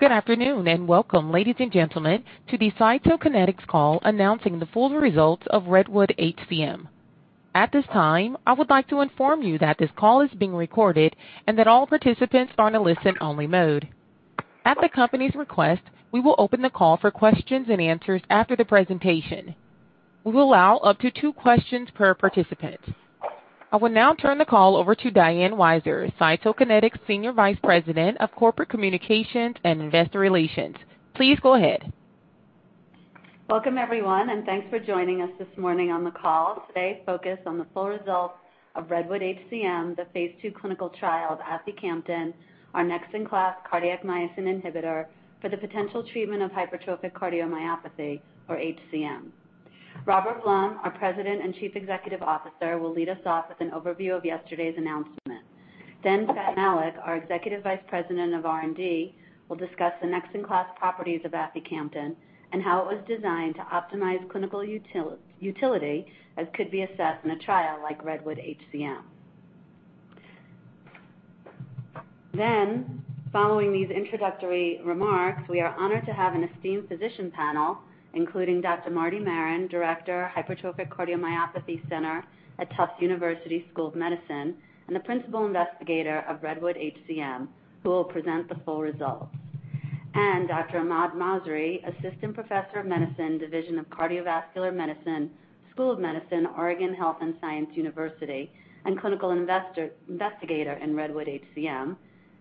Welcome, ladies and gentlemen, to the Cytokinetics call announcing the full results of REDWOOD-HCM. At this time, I would like to inform you that this call is being recorded and that all participants are in a listen-only mode. At the company's request, we will open the call for questions and answers after the presentation. We will allow up to two questions per participant. I will now turn the call over to Diane Weiser, Cytokinetics' Senior Vice President of Corporate Communications and Investor Relations. Please go ahead. Welcome, everyone, and thanks for joining us this morning on the call. Today's focus on the full results of REDWOOD-HCM, the phase II clinical trial of aficamten, our next-in-class cardiac myosin inhibitor for the potential treatment of hypertrophic cardiomyopathy, or HCM. Robert Blum, our President and Chief Executive Officer, will lead us off with an overview of yesterday's announcement. Fady Malik, our Executive Vice President of R&D, will discuss the next-in-class properties of aficamten and how it was designed to optimize clinical utility as could be assessed in a trial like REDWOOD-HCM. Following these introductory remarks, we are honored to have an esteemed physician panel, including Dr. Martin Maron, Director, Hypertrophic Cardiomyopathy Center at Tufts University School of Medicine and the Principal Investigator of REDWOOD-HCM, who will present the full results. Dr. Ahmad Masri, Assistant Professor of Medicine, Division of Cardiovascular Medicine, School of Medicine, Oregon Health & Science University, and Clinical Investigator in REDWOOD-HCM.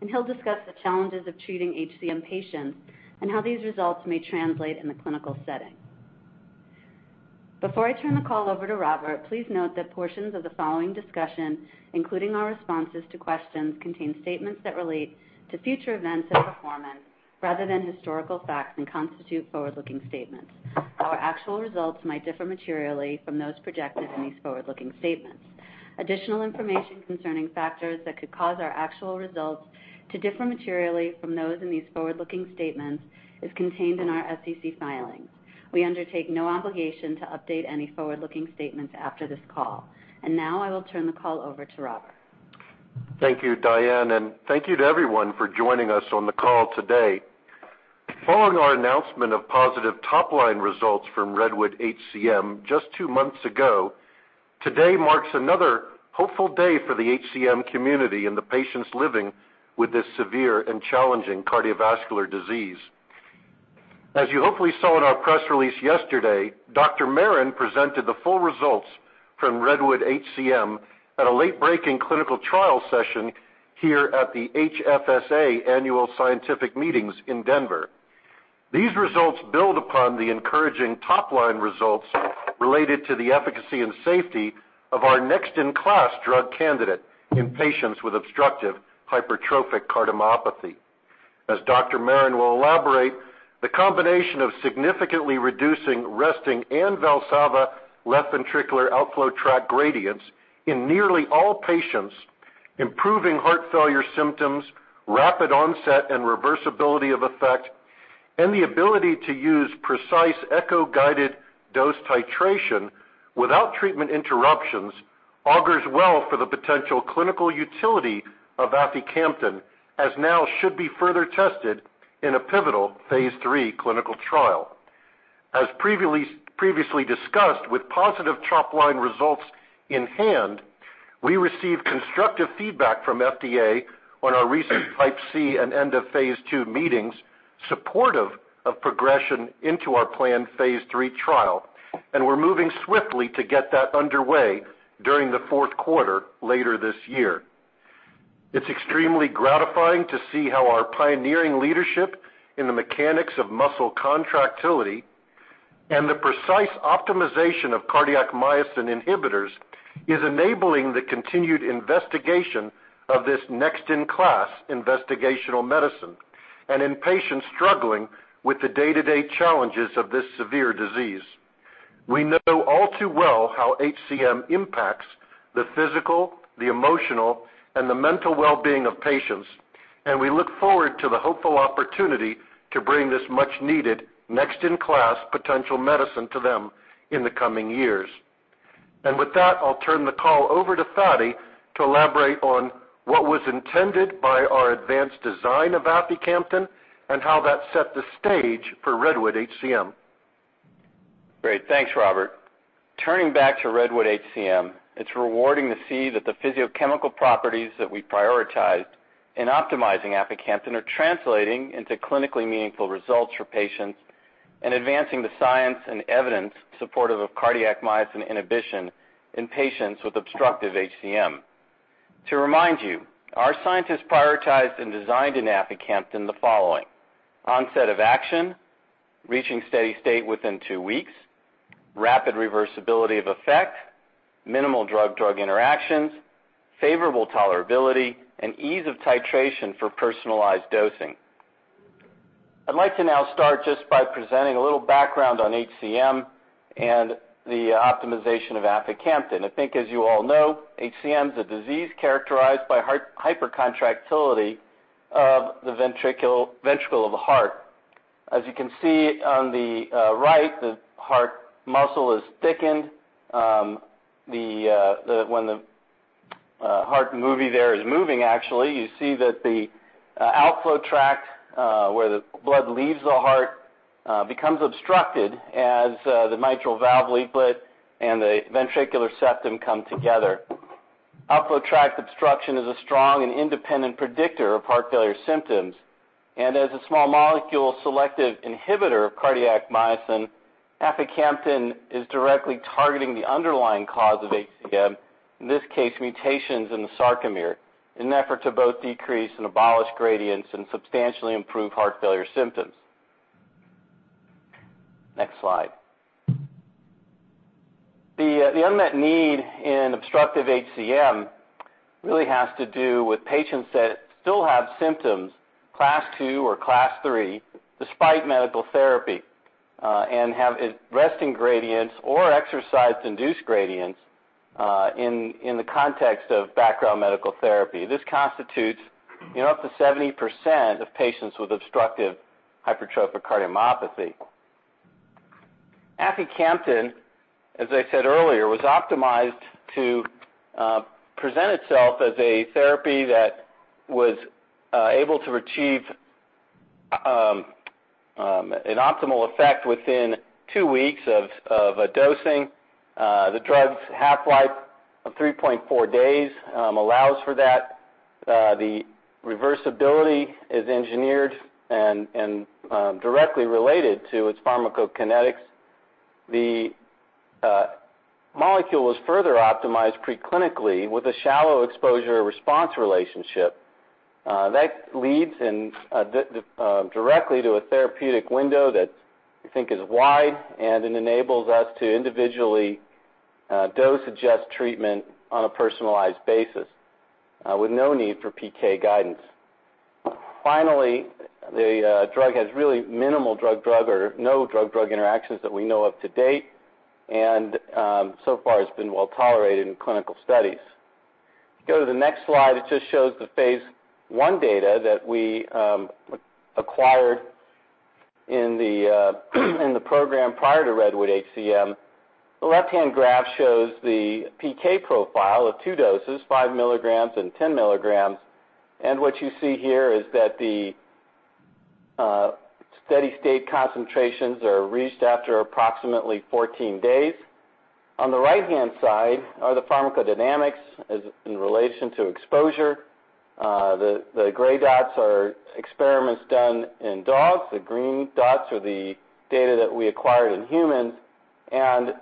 He'll discuss the challenges of treating HCM patients and how these results may translate in the clinical setting. Before I turn the call over to Robert, please note that portions of the following discussion, including our responses to questions, contain statements that relate to future events and performance rather than historical facts and constitute forward-looking statements. Our actual results might differ materially from those projected in these forward-looking statements. Additional information concerning factors that could cause our actual results to differ materially from those in these forward-looking statements is contained in our SEC filings. We undertake no obligation to update any forward-looking statements after this call. Now I will turn the call over to Robert. Thank you, Diane. Thank you to everyone for joining us on the call today. Following our announcement of positive top-line results from REDWOOD-HCM just two months ago, today marks another hopeful day for the HCM community and the patients living with this severe and challenging cardiovascular disease. As you hopefully saw in our press release yesterday, Dr. Maron presented the full results from REDWOOD-HCM at a late-breaking clinical trial session here at the HFSA Annual Scientific Meetings in Denver. These results build upon the encouraging top-line results related to the efficacy and safety of our next-in-class drug candidate in patients with obstructive hypertrophic cardiomyopathy. As Dr. Maron will elaborate, the combination of significantly reducing resting and Valsalva left ventricular outflow tract gradients in nearly all patients, improving heart failure symptoms, rapid onset and reversibility of effect, and the ability to use precise echo-guided dose titration without treatment interruptions augurs well for the potential clinical utility of aficamten, as now should be further tested in a pivotal phase III clinical trial. As previously discussed, with positive top-line results in hand, we received constructive feedback from FDA on our recent Type C and end of phase II meetings supportive of progression into our planned phase III trial. We're moving swiftly to get that underway during the fourth quarter later this year. It's extremely gratifying to see how our pioneering leadership in the mechanics of muscle contractility and the precise optimization of cardiac myosin inhibitors is enabling the continued investigation of this next-in-class investigational medicine in patients struggling with the day-to-day challenges of this severe disease. We know all too well how HCM impacts the physical, the emotional, and the mental wellbeing of patients. We look forward to the hopeful opportunity to bring this much-needed, next-in-class potential medicine to them in the coming years. With that, I'll turn the call over to Fady to elaborate on what was intended by our advanced design of aficamten and how that set the stage for REDWOOD-HCM. Great. Thanks, Robert. Turning back to REDWOOD-HCM, it's rewarding to see that the physicochemical properties that we prioritized in optimizing aficamten are translating into clinically meaningful results for patients and advancing the science and evidence supportive of cardiac myosin inhibition in patients with obstructive HCM. To remind you, our scientists prioritized and designed in aficamten the following: onset of action, reaching steady state within two weeks, rapid reversibility of effect, minimal drug-drug interactions, favorable tolerability, and ease of titration for personalized dosing. I'd like to now start just by presenting a little background on HCM and the optimization of aficamten. I think as you all know, HCM is a disease characterized by hypercontractility of the ventricle of the heart. As you can see on the right, the heart muscle is thickened. When the heart movie there is moving, actually, you see that the outflow tract, where the blood leaves the heart, becomes obstructed as the mitral valve leaflet and the ventricular septum come together. Outflow tract obstruction is a strong and independent predictor of heart failure symptoms. As a small molecule selective inhibitor of cardiac myosin, aficamten is directly targeting the underlying cause of HCM, in this case, mutations in the sarcomere, in an effort to both decrease and abolish gradients and substantially improve heart failure symptoms. Next slide. The unmet need in obstructive HCM really has to do with patients that still have symptoms, Class two or Class three, despite medical therapy, and have resting gradients or exercise-induced gradients in the context of background medical therapy. This constitutes up to 70% of patients with obstructive hypertrophic cardiomyopathy. aficamten, as I said earlier, was optimized to present itself as a therapy that was able to achieve an optimal effect within two weeks of dosing. The drug's half-life of 3.4 days allows for that. The reversibility is engineered and directly related to its pharmacokinetics. The molecule was further optimized preclinically with a shallow exposure-response relationship. That leads directly to a therapeutic window that we think is wide, and it enables us to individually dose adjust treatment on a personalized basis with no need for PK guidance. Finally, the drug has really minimal drug-drug or no drug-drug interactions that we know of to date and so far has been well-tolerated in clinical studies. If you go to the next slide, it just shows the phase I data that we acquired in the program prior to REDWOOD-HCM. The left-hand graph shows the PK profile of two doses, 5 mg and 10 mg. What you see here is that the steady state concentrations are reached after approximately 14 days. On the right-hand side are the pharmacodynamics in relation to exposure. The gray dots are experiments done in dogs. The green dots are the data that we acquired in humans.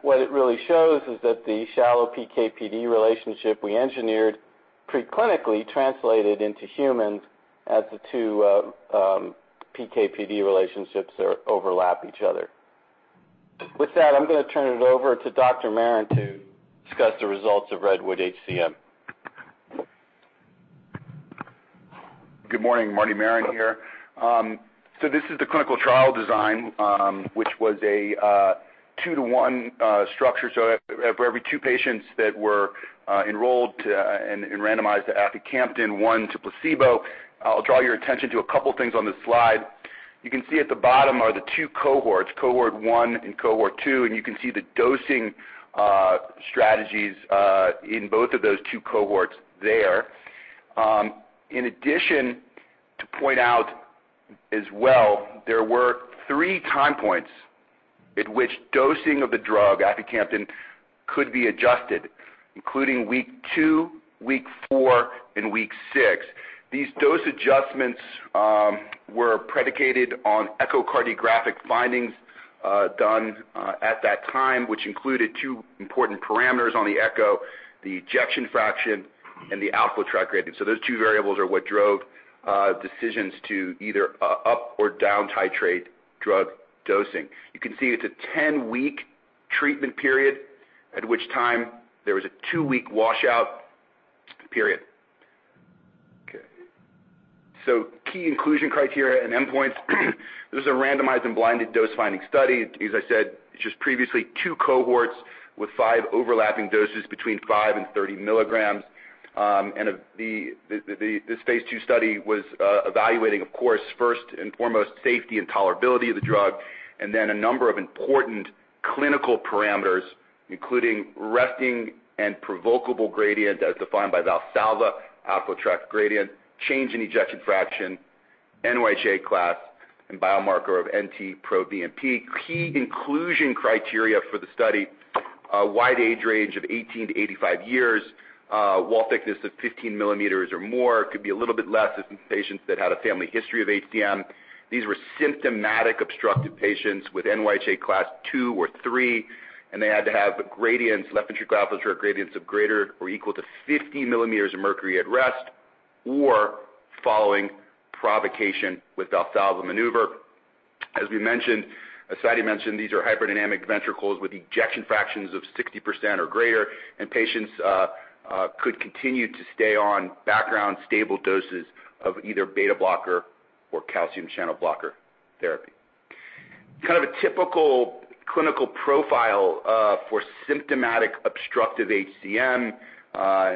What it really shows is that the shallow PK/PD relationship we engineered preclinically translated into humans as the two PK/PD relationships overlap each other. With that, I'm going to turn it over to Dr. Maron to discuss the results of REDWOOD-HCM. Good morning. Martin Maron here. This is the clinical trial design, which was a 2:1 structure. For every two patients that were enrolled and randomized to aficamten, one to placebo. I'll draw your attention to a couple things on this slide. You can see at the bottom are the two cohorts, cohort one and cohort two, and you can see the dosing strategies in both of those two cohorts there. In addition, to point out as well, there were three time points at which dosing of the drug, aficamten, could be adjusted, including week two, week four, and week six. These dose adjustments were predicated on echocardiographic findings done at that time, which included two important parameters on the echo, the ejection fraction and the outflow tract gradient. Those two variables are what drove decisions to either up or down titrate drug dosing. You can see it's a 10-week treatment period, at which time there was a two-week washout period. Okay. Key inclusion criteria and endpoints. This is a randomized and blinded dose-finding study. As I said, it's just previously two cohorts with five overlapping doses between 5 mg and 30 mg. This phase II study was evaluating, of course, first and foremost, safety and tolerability of the drug, and then a number of important clinical parameters, including resting and provocable gradient as defined by Valsalva, outflow tract gradient, change in ejection fraction, NYHA class, and biomarker of NT-proBNP. Key inclusion criteria for the study, a wide age range of 18-85 years, wall thickness of 15 mm or more, could be a little bit less in patients that had a family history of HCM. These were symptomatic obstructive patients with NYHA Class two or three. They had to have gradients, left ventricular outflow tract gradients of greater or equal to 50 mm of mercury at rest or following provocation with Valsalva maneuver. As we mentioned, as Fady mentioned, these are hyperdynamic ventricles with ejection fractions of 60% or greater. Patients could continue to stay on background stable doses of either beta blocker or calcium channel blocker therapy. Kind of a typical clinical profile for symptomatic obstructive HCM.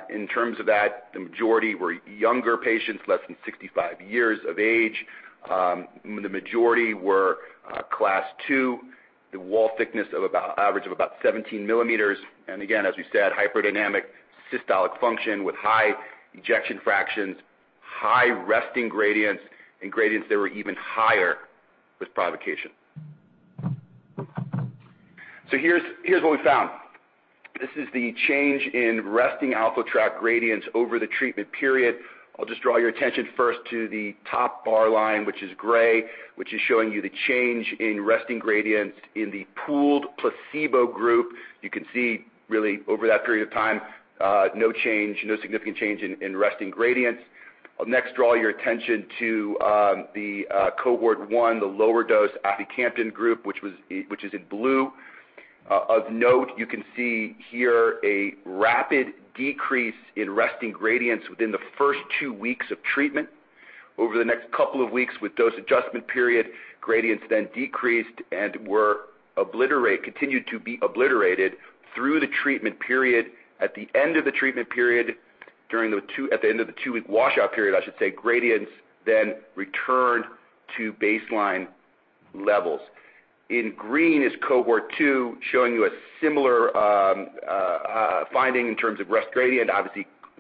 In terms of that, the majority were younger patients, less than 65 years of age. The majority were Class two, the wall thickness of about average of about 17 mm. Again, as we said, hyperdynamic systolic function with high ejection fractions, high resting gradients, and gradients that were even higher with provocation. Here's what we found. This is the change in resting outflow tract gradients over the treatment period. I'll just draw your attention first to the top bar line, which is gray, which is showing you the change in resting gradients in the pooled placebo group. You can see really over that period of time, no significant change in resting gradients. I'll next draw your attention to the Cohort one, the lower dose aficamten group, which is in blue. Of note, you can see here a rapid decrease in resting gradients within the first two weeks of treatment. Over the next couple of weeks with dose adjustment period, gradients then decreased and continued to be obliterated through the treatment period. At the end of the two-week washout period, gradients then returned to baseline levels. In green is Cohort two showing you a similar finding in terms of rest gradient.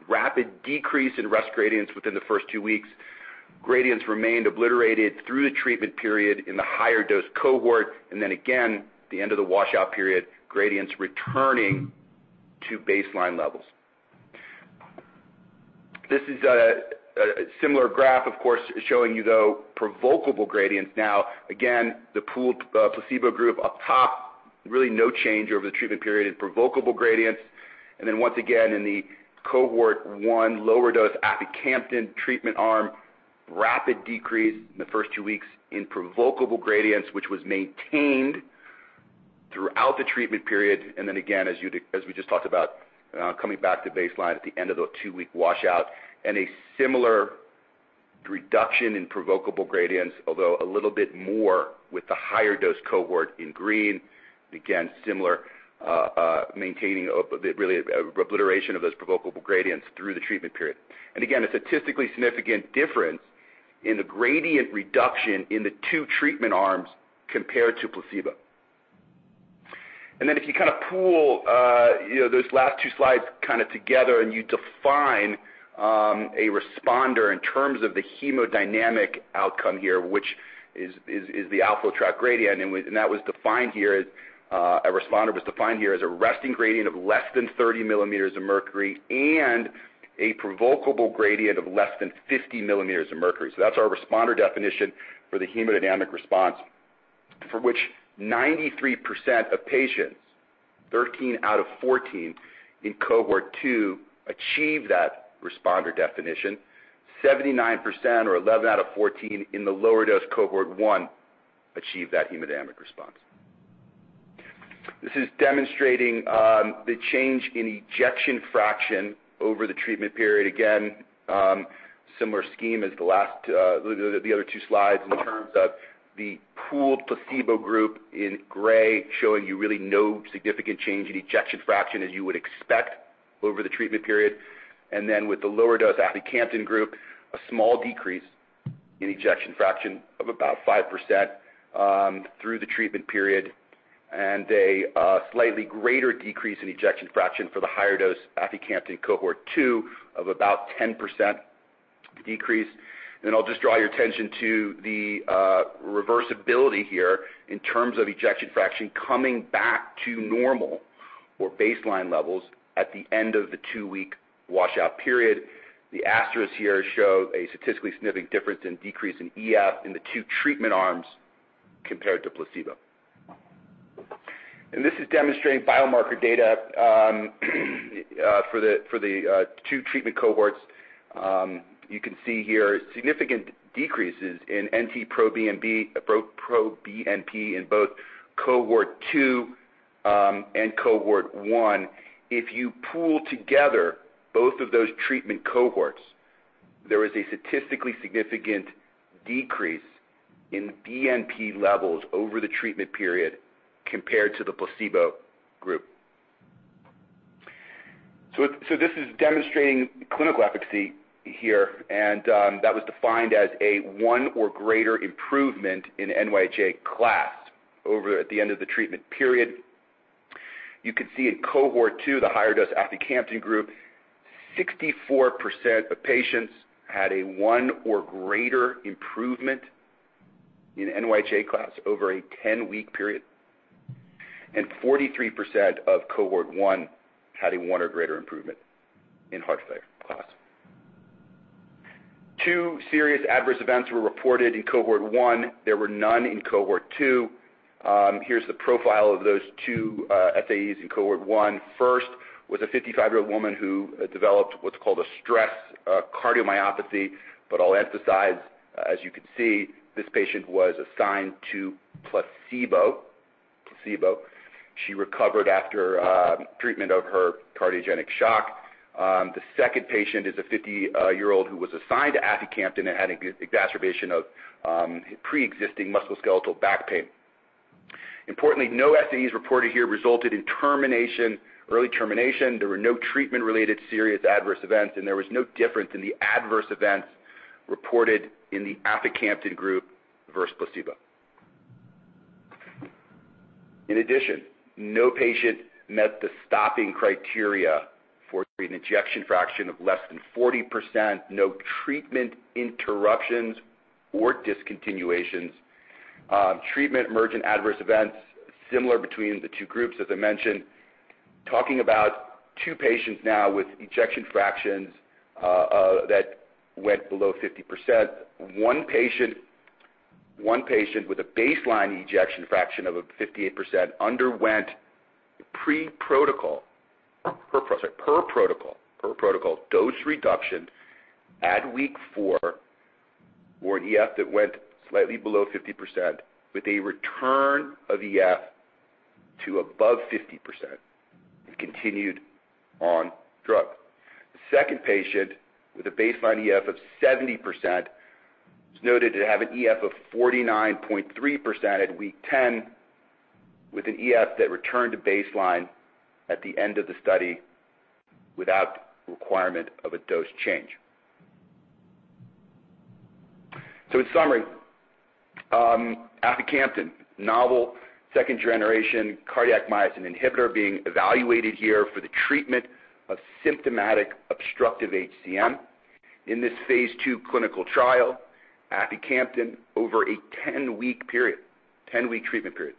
Rapid decrease in rest gradients within the first two weeks. Gradients remained obliterated through the treatment period in the higher dose cohort, then again, at the end of the washout period, gradients returning to baseline levels. This is a similar graph, of course, showing you, though, provocable gradients. Again, the pooled placebo group up top, really no change over the treatment period in provocable gradients. Then once again, in the Cohort one lower dose aficamten treatment arm, rapid decrease in the first two weeks in provocable gradients, which was maintained throughout the treatment period. Then again, as we just talked about coming back to baseline at the end of the two-week washout, a similar reduction in provocable gradients, although a little bit more with the higher dose cohort in green. Similar maintaining really obliteration of those provocable gradients through the treatment period. Again, a statistically significant difference in the gradient reduction in the two treatment arms compared to placebo. Then if you kind of pool those last two slides kind of together and you define a responder in terms of the hemodynamic outcome here, which is the outflow tract gradient, and a responder was defined here as a resting gradient of less than 30 mm of mercury and a provocable gradient of less than 50 mm of mercury. That's our responder definition for the hemodynamic response, for which 93% of patients, 13/14 in Cohort two achieved that responder definition. 79% or 11/14 in the lower dose Cohort one achieved that hemodynamic response. This is demonstrating the change in ejection fraction over the treatment period. Again, similar scheme as the other two slides in terms of the pooled placebo group in gray, showing you really no significant change in ejection fraction as you would expect over the treatment period. Then with the lower dose aficamten group, a small decrease in ejection fraction of about 5% through the treatment period. A slightly greater decrease in ejection fraction for the higher dose aficamten Cohort two of about 10% decrease. I'll just draw your attention to the reversibility here in terms of ejection fraction coming back to normal or baseline levels at the end of the two-week washout period. The asterisks here show a statistically significant difference in decrease in EF in the two treatment arms compared to placebo. This is demonstrating biomarker data for the two treatment cohorts. You can see here significant decreases in NT-proBNP in both Cohort two and Cohort one. If you pool together both of those treatment cohorts, there is a statistically significant decrease in BNP levels over the treatment period compared to the placebo group. This is demonstrating clinical efficacy here, and that was defined as a one or greater improvement in NYHA Class over at the end of the treatment period. You can see in Cohort two, the higher dose aficamten group, 64% of patients had a one or greater improvement in NYHA Class over a 10-week period, and 43% of Cohort one had a one or greater improvement in heart failure class. Two serious adverse events were reported in Cohort one. There were none in Cohort two. Here's the profile of those two SAEs in Cohort one. First was a 55-year-old woman who developed what's called a stress cardiomyopathy, but I'll emphasize, as you can see, this patient was assigned to placebo. She recovered after treatment of her cardiogenic shock. The second patient is a 50-year-old who was assigned aficamten and had an exacerbation of preexisting musculoskeletal back pain. Importantly, no SAEs reported here resulted in early termination. There were no treatment-related serious adverse events, and there was no difference in the adverse events reported in the aficamten group versus placebo. In addition, no patient met the stopping criteria for an ejection fraction of less than 40%, no treatment interruptions or discontinuations. Treatment emergent adverse events similar between the two groups, as I mentioned. Talking about two patients now with ejection fractions that went below 50%. One patient with a baseline ejection fraction of 58% underwent per protocol dose reduction at week four for an EF that went slightly below 50%, with a return of EF to above 50% and continued on drug. The second patient, with a baseline EF of 70%, was noted to have an EF of 49.3% at week 10, with an EF that returned to baseline at the end of the study without requirement of a dose change. In summary, aficamten, novel second-generation cardiac myosin inhibitor being evaluated here for the treatment of symptomatic obstructive HCM. In this phase II clinical trial, aficamten, over a 10-week treatment period,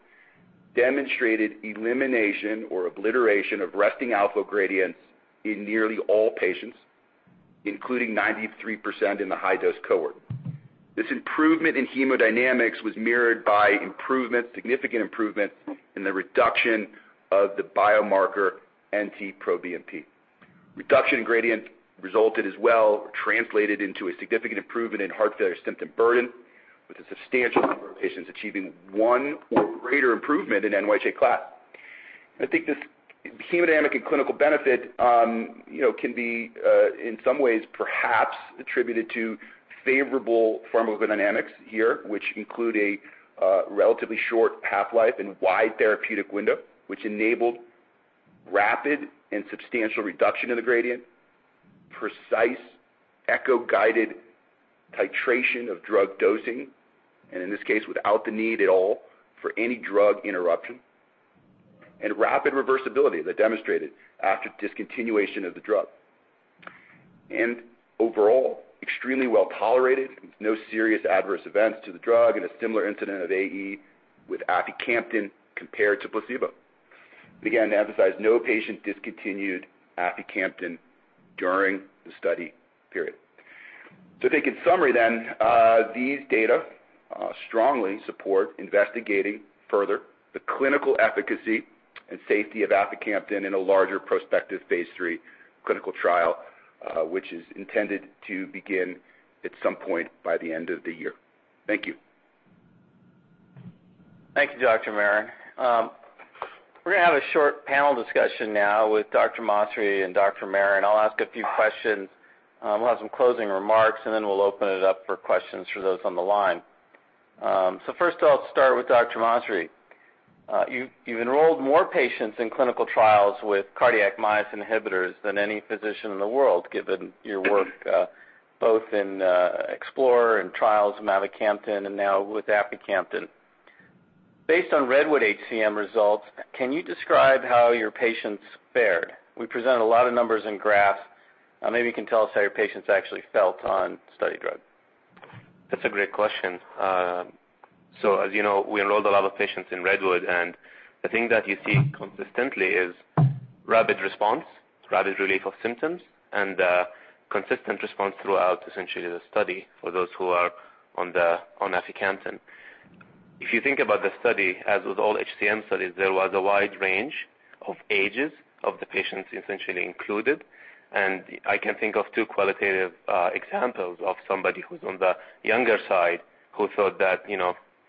demonstrated elimination or obliteration of resting outflow gradients in nearly all patients, including 93% in the high-dose cohort. This improvement in hemodynamics was mirrored by significant improvement in the reduction of the biomarker NT-proBNP. Reduction in gradient resulted as well, translated into a significant improvement in heart failure symptom burden, with a substantial number of patients achieving one or greater improvement in NYHA class. I think this hemodynamic and clinical benefit can be, in some ways, perhaps attributed to favorable pharmacodynamics here, which include a relatively short half-life and wide therapeutic window, which enabled rapid and substantial reduction in the gradient, precise echo-guided titration of drug dosing, and in this case, without the need at all for any drug interruption, and rapid reversibility, as I demonstrated, after discontinuation of the drug. Overall, extremely well tolerated with no serious adverse events to the drug and a similar incident of AE with aficamten compared to placebo. Again, to emphasize, no patient discontinued aficamten during the study period. I think in summary then, these data strongly support investigating further the clinical efficacy and safety of aficamten in a larger prospective phase III clinical trial, which is intended to begin at some point by the end of the year. Thank you. Thank you, Dr. Maron. We're going to have a short panel discussion now with Dr. Masri and Dr. Maron. I'll ask a few questions. We'll have some closing remarks, and then we'll open it up for questions for those on the line. First, I'll start with Dr. Masri. You've enrolled more patients in clinical trials with cardiac myosin inhibitors than any physician in the world, given your work both in EXPLORER-HCM and trials mavacamten and now with aficamten. Based on REDWOOD-HCM results, can you describe how your patients fared? We present a lot of numbers and graphs. Maybe you can tell us how your patients actually felt on study drug. That's a great question. As you know, we enrolled a lot of patients in REDWOOD-HCM, and the thing that you see consistently is rapid response, rapid relief of symptoms, and consistent response throughout essentially the study for those who are on aficamten. If you think about the study, as with all HCM studies, there was a wide range of ages of the patients essentially included. I can think of two qualitative examples of somebody who's on the younger side who thought that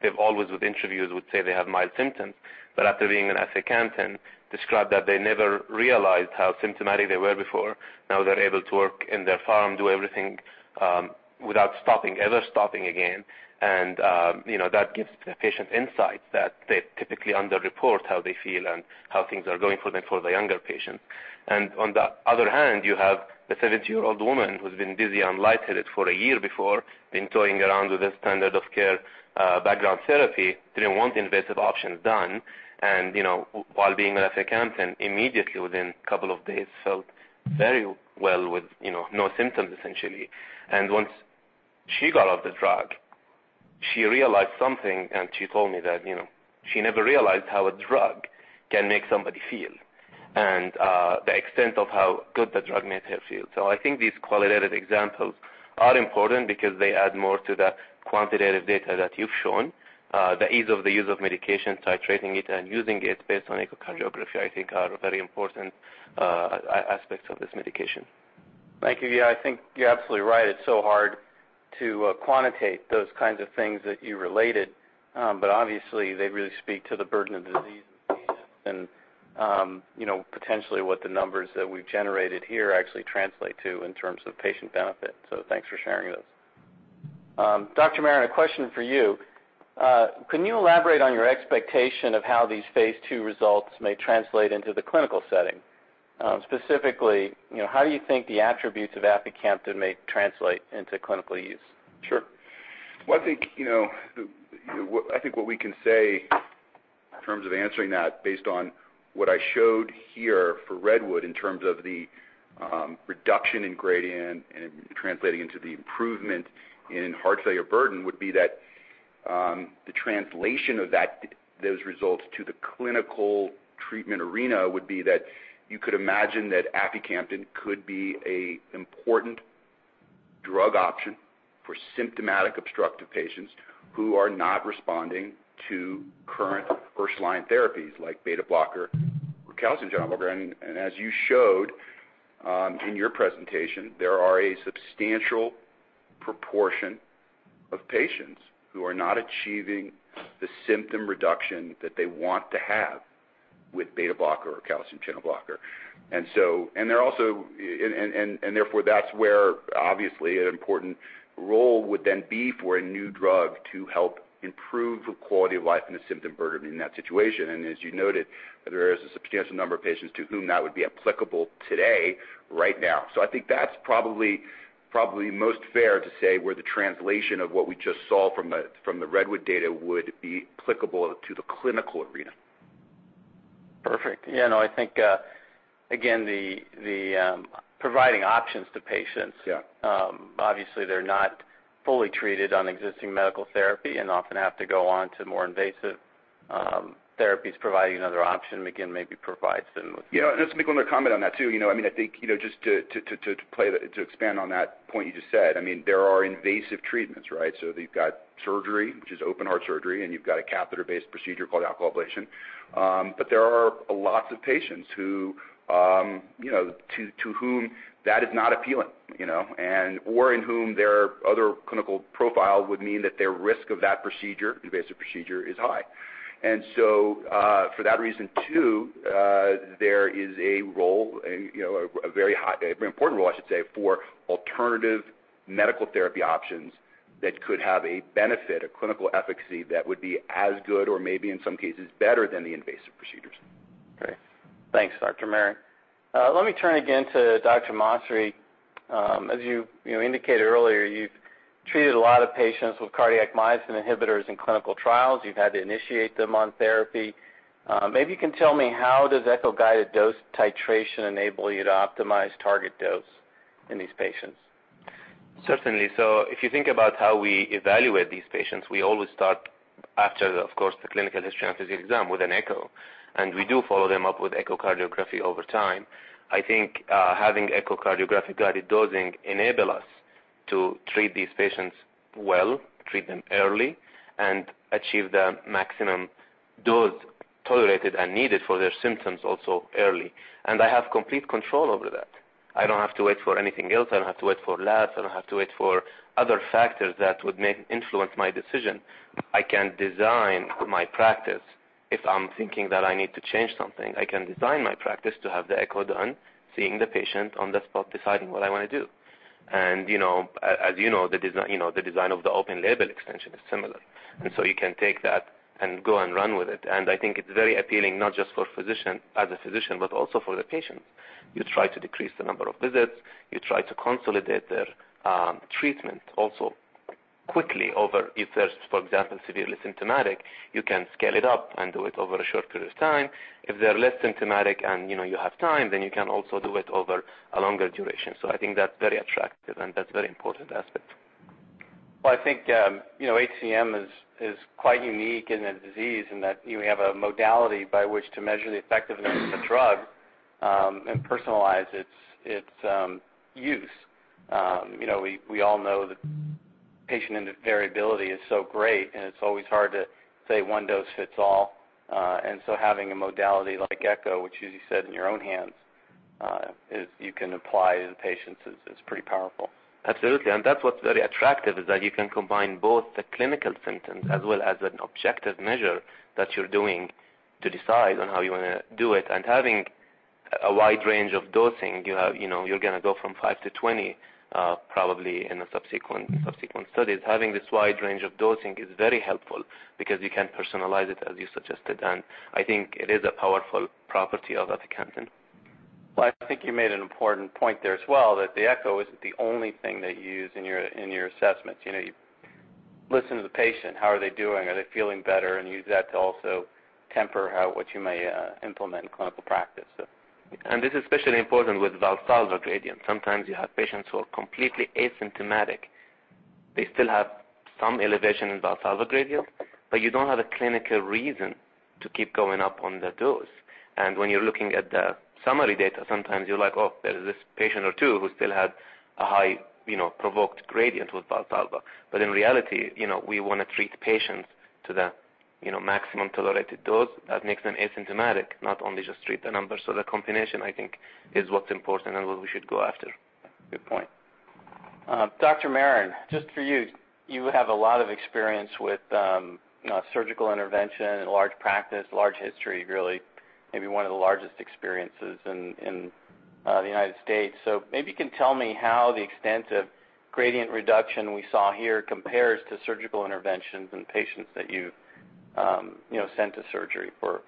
they've always with interviews would say they have mild symptoms. After being on aficamten described that they never realized how symptomatic they were before. Now they're able to work in their farm, do everything without ever stopping again. That gives the patient insights that they typically underreport how they feel and how things are going for them for the younger patients. On the other hand, you have the 72-year-old woman who's been dizzy and lightheaded for a year before, been toying around with the standard of care background therapy, didn't want invasive options done. While being on aficamten, immediately within two days, felt very well with no symptoms, essentially. Once she got off the drug, she realized something, and she told me that she never realized how a drug can make somebody feel and the extent of how good the drug made her feel. I think these qualitative examples are important because they add more to the quantitative data that you've shown. The ease of the use of medication, titrating it, and using it based on echocardiography, I think are very important aspects of this medication. Thank you. Yeah, I think you're absolutely right. It's so hard to quantitate those kinds of things that you related. Obviously they really speak to the burden of disease and potentially what the numbers that we've generated here actually translate to in terms of patient benefit. Thanks for sharing those. Dr. Maron, a question for you. Can you elaborate on your expectation of how these phase II results may translate into the clinical setting? Specifically, how do you think the attributes of aficamten may translate into clinical use? Sure. I think what we can say in terms of answering that, based on what I showed here for REDWOOD in terms of the reduction in gradient and translating into the improvement in heart failure burden, would be that the translation of those results to the clinical treatment arena would be that you could imagine that aficamten could be a important drug option for symptomatic obstructive patients who are not responding to current first-line therapies like beta-blocker or calcium channel blocker. As you showed in your presentation, there are a substantial proportion of patients who are not achieving the symptom reduction that they want to have with beta-blocker or calcium channel blocker. Therefore, that's where obviously an important role would then be for a new drug to help improve the quality of life and the symptom burden in that situation. As you noted, there is a substantial number of patients to whom that would be applicable today, right now. I think that's probably most fair to say, where the translation of what we just saw from the REDWOOD data would be applicable to the clinical arena. Perfect. Yeah, no, I think, again, providing options to patients. Yeah. Obviously they're not fully treated on existing medical therapy and often have to go on to more invasive therapies. Yeah. Just make one more comment on that too. I think just to expand on that point you just said, there are invasive treatments, right? You've got surgery, which is open heart surgery, and you've got a catheter-based procedure called alcohol septal ablation. There are lots of patients to whom that is not appealing, or in whom their other clinical profile would mean that their risk of that procedure, invasive procedure, is high. For that reason too, there is a role, a very important role, I should say, for alternative medical therapy options that could have a benefit, a clinical efficacy that would be as good or maybe in some cases better than the invasive procedures. Okay. Thanks, Dr. Maron. Let me turn again to Dr. Masri. As you indicated earlier, you've treated a lot of patients with cardiac myosin inhibitors in clinical trials. You've had to initiate them on therapy. Maybe you can tell me, how does echo-guided dose titration enable you to optimize target dose in these patients? Certainly. If you think about how we evaluate these patients, we always start after, of course, the clinical history and physical exam with an echo. We do follow them up with echocardiography over time. I think having echocardiographic-guided dosing enable us to treat these patients well, treat them early, and achieve the maximum dose tolerated and needed for their symptoms also early. I have complete control over that. I don't have to wait for anything else. I don't have to wait for labs. I don't have to wait for other factors that would influence my decision. I can design my practice. If I'm thinking that I need to change something, I can design my practice to have the echo done, seeing the patient on the spot, deciding what I want to do. As you know, the design of the open label extension is similar. You can take that and go and run with it. I think it's very appealing, not just as a physician, but also for the patients. You try to decrease the number of visits. You try to consolidate their treatment also quickly over if they're, for example, severely symptomatic, you can scale it up and do it over a short period of time. If they're less symptomatic and you have time, then you can also do it over a longer duration. I think that's very attractive and that's a very important aspect. I think HCM is quite unique in a disease in that you have a modality by which to measure the effectiveness of the drug and personalize its use. We all know that patient variability is so great, and it's always hard to say one dose fits all. Having a modality like echo, which as you said, in your own hands, you can apply to the patients, is pretty powerful. Absolutely. That's what's very attractive is that you can combine both the clinical symptoms as well as an objective measure that you're doing to decide on how you want to do it. Having a wide range of dosing, you're going to go from 5 to 20, probably in the subsequent studies. Having this wide range of dosing is very helpful because you can personalize it, as you suggested. I think it is a powerful property of aficamten. Well, I think you made an important point there as well, that the echo isn't the only thing that you use in your assessments. You listen to the patient, how are they doing, are they feeling better, and use that to also temper what you may implement in clinical practice. This is especially important with Valsalva gradient. Sometimes you have patients who are completely asymptomatic. They still have some elevation in Valsalva gradient, but you don't have a clinical reason to keep going up on the dose. When you're looking at the summary data, sometimes you're like, "Oh, there's this patient or two who still had a high provoked gradient with Valsalva." In reality, we want to treat patients to the maximum tolerated dose that makes them asymptomatic, not only just treat the numbers. The combination, I think, is what's important and what we should go after. Good point. Dr. Maron, just for you have a lot of experience with surgical intervention and large practice, large history, really maybe one of the largest experiences in the U.S. Maybe you can tell me how the extent of gradient reduction we saw here compares to surgical interventions in patients that you've sent to surgery for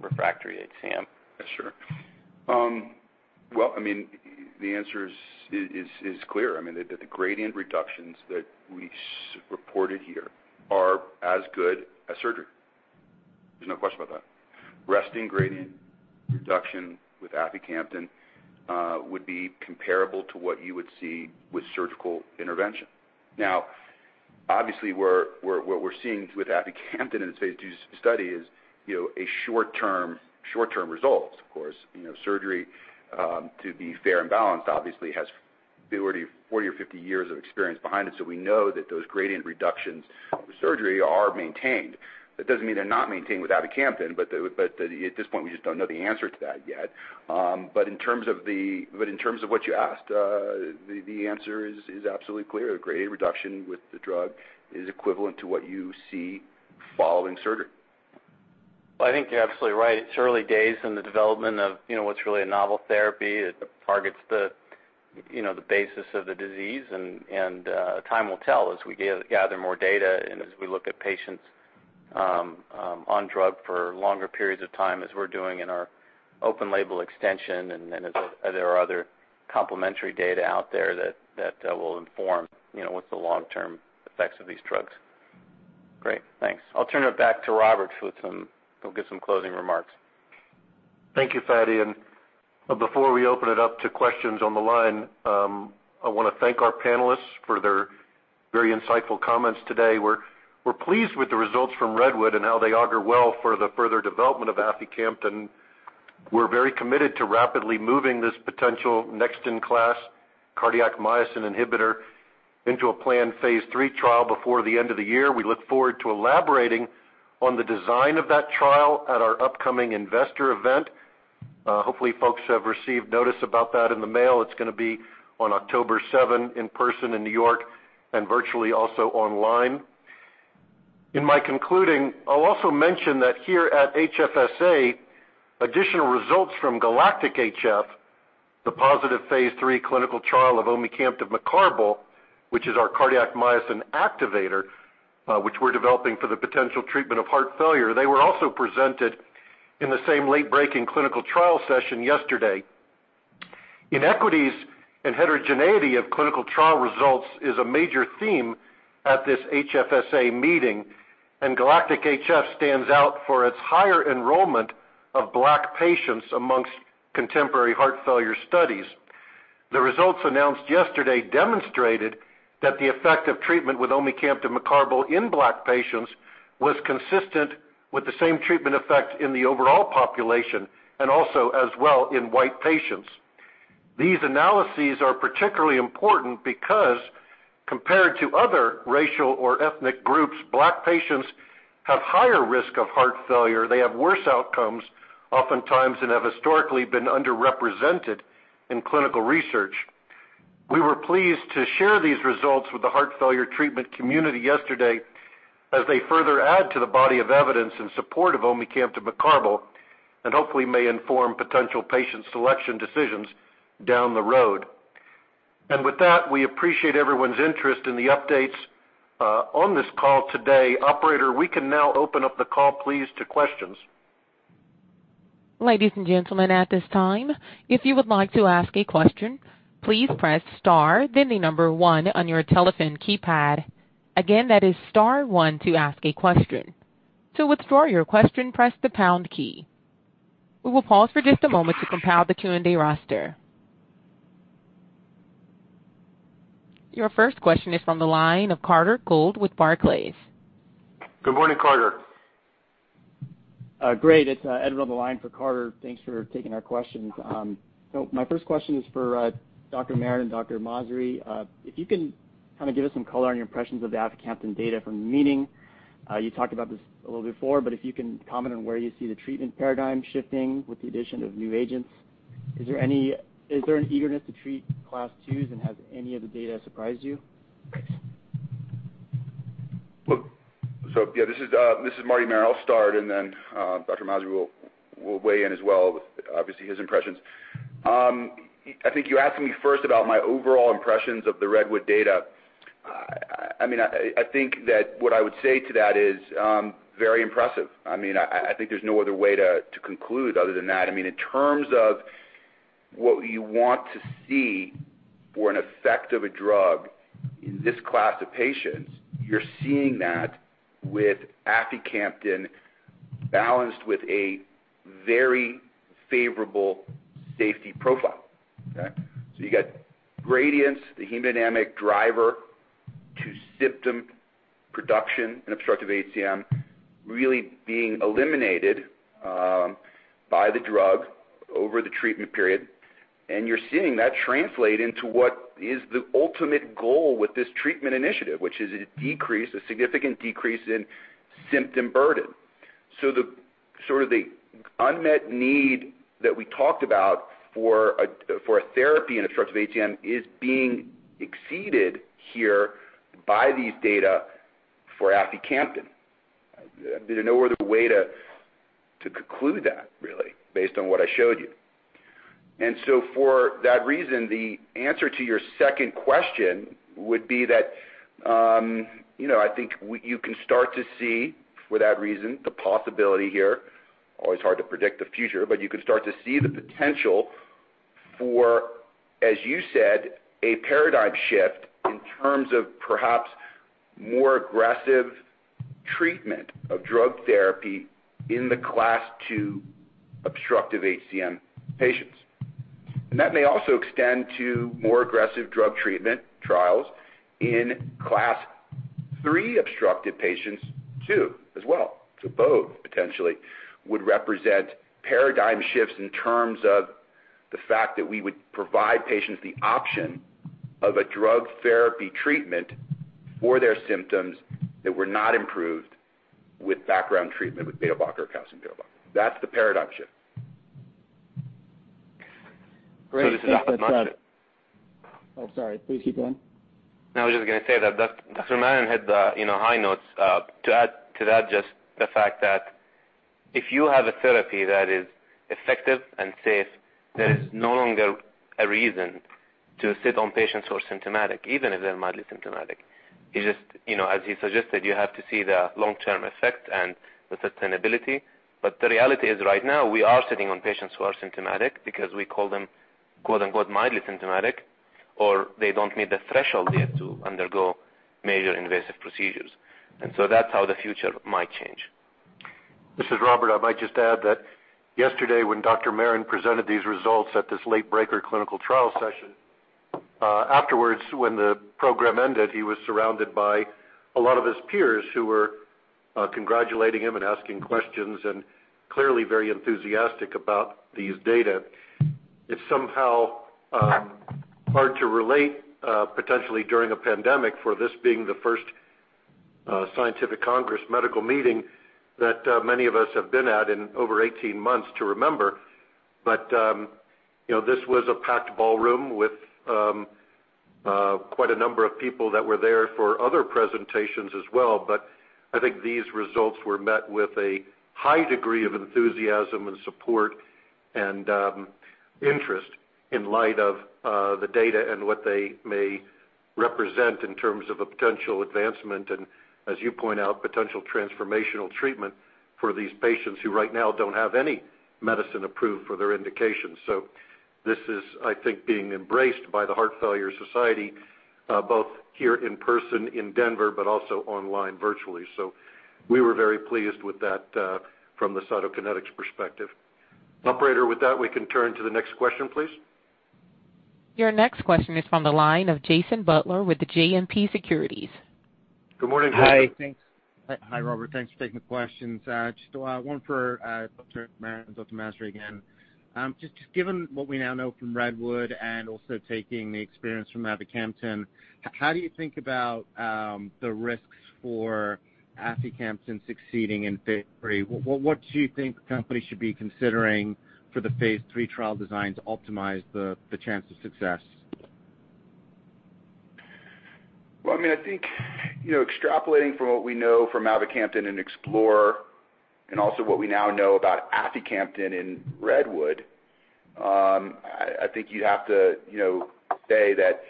refractory HCM. Well, the answer is clear. The gradient reductions that we reported here are as good as surgery. There's no question about that. Resting gradient reduction with aficamten would be comparable to what you would see with surgical intervention. Obviously, what we're seeing with aficamten in this phase II study is short-term results, of course. Surgery, to be fair and balanced, obviously has 40 or 50 years of experience behind it. We know that those gradient reductions with surgery are maintained. That doesn't mean they're not maintained with aficamten, but at this point, we just don't know the answer to that yet. In terms of what you asked, the answer is absolutely clear. The gradient reduction with the drug is equivalent to what you see following surgery. I think you're absolutely right. It's early days in the development of what's really a novel therapy that targets the basis of the disease. Time will tell as we gather more data and as we look at patients on drug for longer periods of time, as we're doing in our open label extension. As there are other complementary data out there that will inform what the long-term effects of these drugs. Great. Thanks. I'll turn it back to Robert. He'll give some closing remarks. Thank you, Fady. Before we open it up to questions on the line, I want to thank our panelists for their very insightful comments today. We're pleased with the results from REDWOOD and how they augur well for the further development of aficamten. We're very committed to rapidly moving this potential next-in-class cardiac myosin inhibitor into a planned phase III trial before the end of the year. We look forward to elaborating on the design of that trial at our upcoming investor event. Hopefully, folks have received notice about that in the mail. It's going to be on October 7, in person in New York, and virtually also online. In my concluding, I'll also mention that here at HFSA, additional results from GALACTIC-HF, the positive phase III clinical trial of omecamtiv mecarbil, which is our cardiac myosin activator which we're developing for the potential treatment of heart failure. They were also presented in the same late-breaking clinical trial session yesterday. Inequities and heterogeneity of clinical trial results is a major theme at this HFSA meeting, and GALACTIC-HF stands out for its higher enrollment of Black patients amongst contemporary heart failure studies. The results announced yesterday demonstrated that the effect of treatment with omecamtiv mecarbil in Black patients was consistent with the same treatment effect in the overall population, and also as well in white patients. These analyses are particularly important because, compared to other racial or ethnic groups, Black patients have higher risk of heart failure. They have worse outcomes oftentimes and have historically been underrepresented in clinical research. We were pleased to share these results with the heart failure treatment community yesterday as they further add to the body of evidence in support of omecamtiv mecarbil and hopefully may inform potential patient selection decisions down the road. With that, we appreciate everyone's interest in the updates on this call today. Operator, we can now open up the call, please, to questions. Ladies and gentlemen, at this time, if you would like to ask a question, please press star, then the number one on your telephone keypad. Again, that is star one to ask a question. To withdraw your question, press the pound key. We will pause for just a moment to compile the Q&A roster. Your first question is from the line of Carter Gould with Barclays. Good morning, Carter. Great. It's Edward on the line for Carter. Thanks for taking our questions. My first question is for Dr. Maron and Dr. Masri. If you can kind of give us some color on your impressions of the aficamten data from the meeting. You talked about this a little before, if you can comment on where you see the treatment paradigm shifting with the addition of new agents. Is there an eagerness to treat class twos, has any of the data surprised you? Look, yeah, this is Martin Maron. I'll start, then Dr. Masri will weigh in as well with obviously his impressions. I think you asked me first about my overall impressions of the REDWOOD data. I think that what I would say to that is very impressive. I think there's no other way to conclude other than that. In terms of what you want to see for an effect of a drug in this class of patients, you're seeing that with aficamten balanced with a very favorable safety profile. Okay. You got gradients, the hemodynamic driver to symptom production and obstructive HCM really being eliminated. By the drug over the treatment period. You're seeing that translate into what is the ultimate goal with this treatment initiative, which is a significant decrease in symptom burden. The unmet need that we talked about for a therapy in obstructive HCM is being exceeded here by these data for aficamten. There's no other way to conclude that, really, based on what I showed you. For that reason, the answer to your second question would be that I think you can start to see, for that reason, the possibility here. Always hard to predict the future, but you can start to see the potential for, as you said, a paradigm shift in terms of perhaps more aggressive treatment of drug therapy in the Class II obstructive HCM patients. That may also extend to more aggressive drug treatment trials in Class III obstructive patients, too, as well. Both potentially would represent paradigm shifts in terms of the fact that we would provide patients the option of a drug therapy treatment for their symptoms that were not improved with background treatment with beta-blocker or calcium beta-blocker. That's the paradigm shift. Great. Thanks, got it. So this is not. Oh, sorry. Please keep going. No, I was just going to say that Dr. Maron had the high notes. To add to that, just the fact that if you have a therapy that is effective and safe, there is no longer a reason to sit on patients who are symptomatic, even if they're mildly symptomatic. As you suggested, you have to see the long-term effect and the sustainability. The reality is right now, we are sitting on patients who are symptomatic because we call them, quote-unquote, "mildly symptomatic," or they don't meet the threshold yet to undergo major invasive procedures. That's how the future might change. This is Robert. I might just add that yesterday, when Dr. Maron presented these results at this late-breaker clinical trial session, afterwards, when the program ended, he was surrounded by a lot of his peers who were congratulating him and asking questions and clearly very enthusiastic about these data. It's somehow hard to relate, potentially during a pandemic, for this being the first scientific congress medical meeting that many of us have been at in over 18 months to remember. This was a packed ballroom with quite a number of people that were there for other presentations as well. I think these results were met with a high degree of enthusiasm and support and interest in light of the data and what they may represent in terms of a potential advancement and, as you point out, potential transformational treatment for these patients who right now don't have any medicine approved for their indications. This is, I think, being embraced by the Heart Failure Society, both here in person in Denver, but also online virtually. We were very pleased with that from the Cytokinetics perspective. Operator, with that, we can turn to the next question, please. Your next question is from the line of Jason Butler with the JMP Securities. Good morning, Jason. Hi, Robert. Thanks for taking the questions. Just one for Dr. Maron, Dr. Masri again. Just given what we now know from REDWOOD and also taking the experience from mavacamten, how do you think about the risks for aficamten succeeding in phase III? What do you think the company should be considering for the phase III trial design to optimize the chance of success? Well, I think extrapolating from what we know from mavacamten and EXPLORER-HCM, also what we now know about aficamten in REDWOOD-HCM, I think you'd have to say that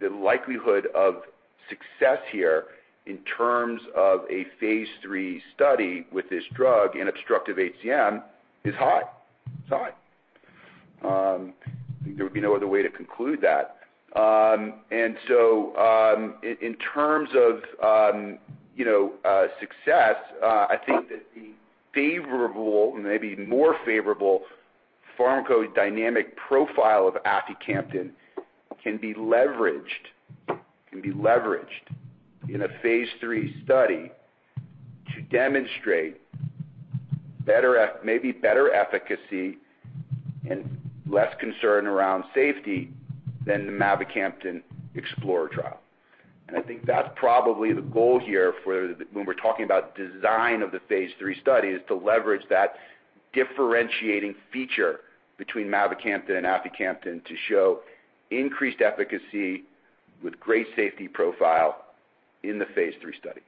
the likelihood of success here in terms of a phase III study with this drug in obstructive HCM is high. It's high. There would be no other way to conclude that. In terms of success, I think that the favorable, maybe more favorable pharmacodynamic profile of aficamten can be leveraged in a phase III study to demonstrate maybe better efficacy and less concern around safety than the mavacamten EXPLORER-HCM trial. I think that's probably the goal here when we're talking about design of the phase III study is to leverage that differentiating feature between mavacamten and aficamten to show increased efficacy with great safety profile in the phase III study.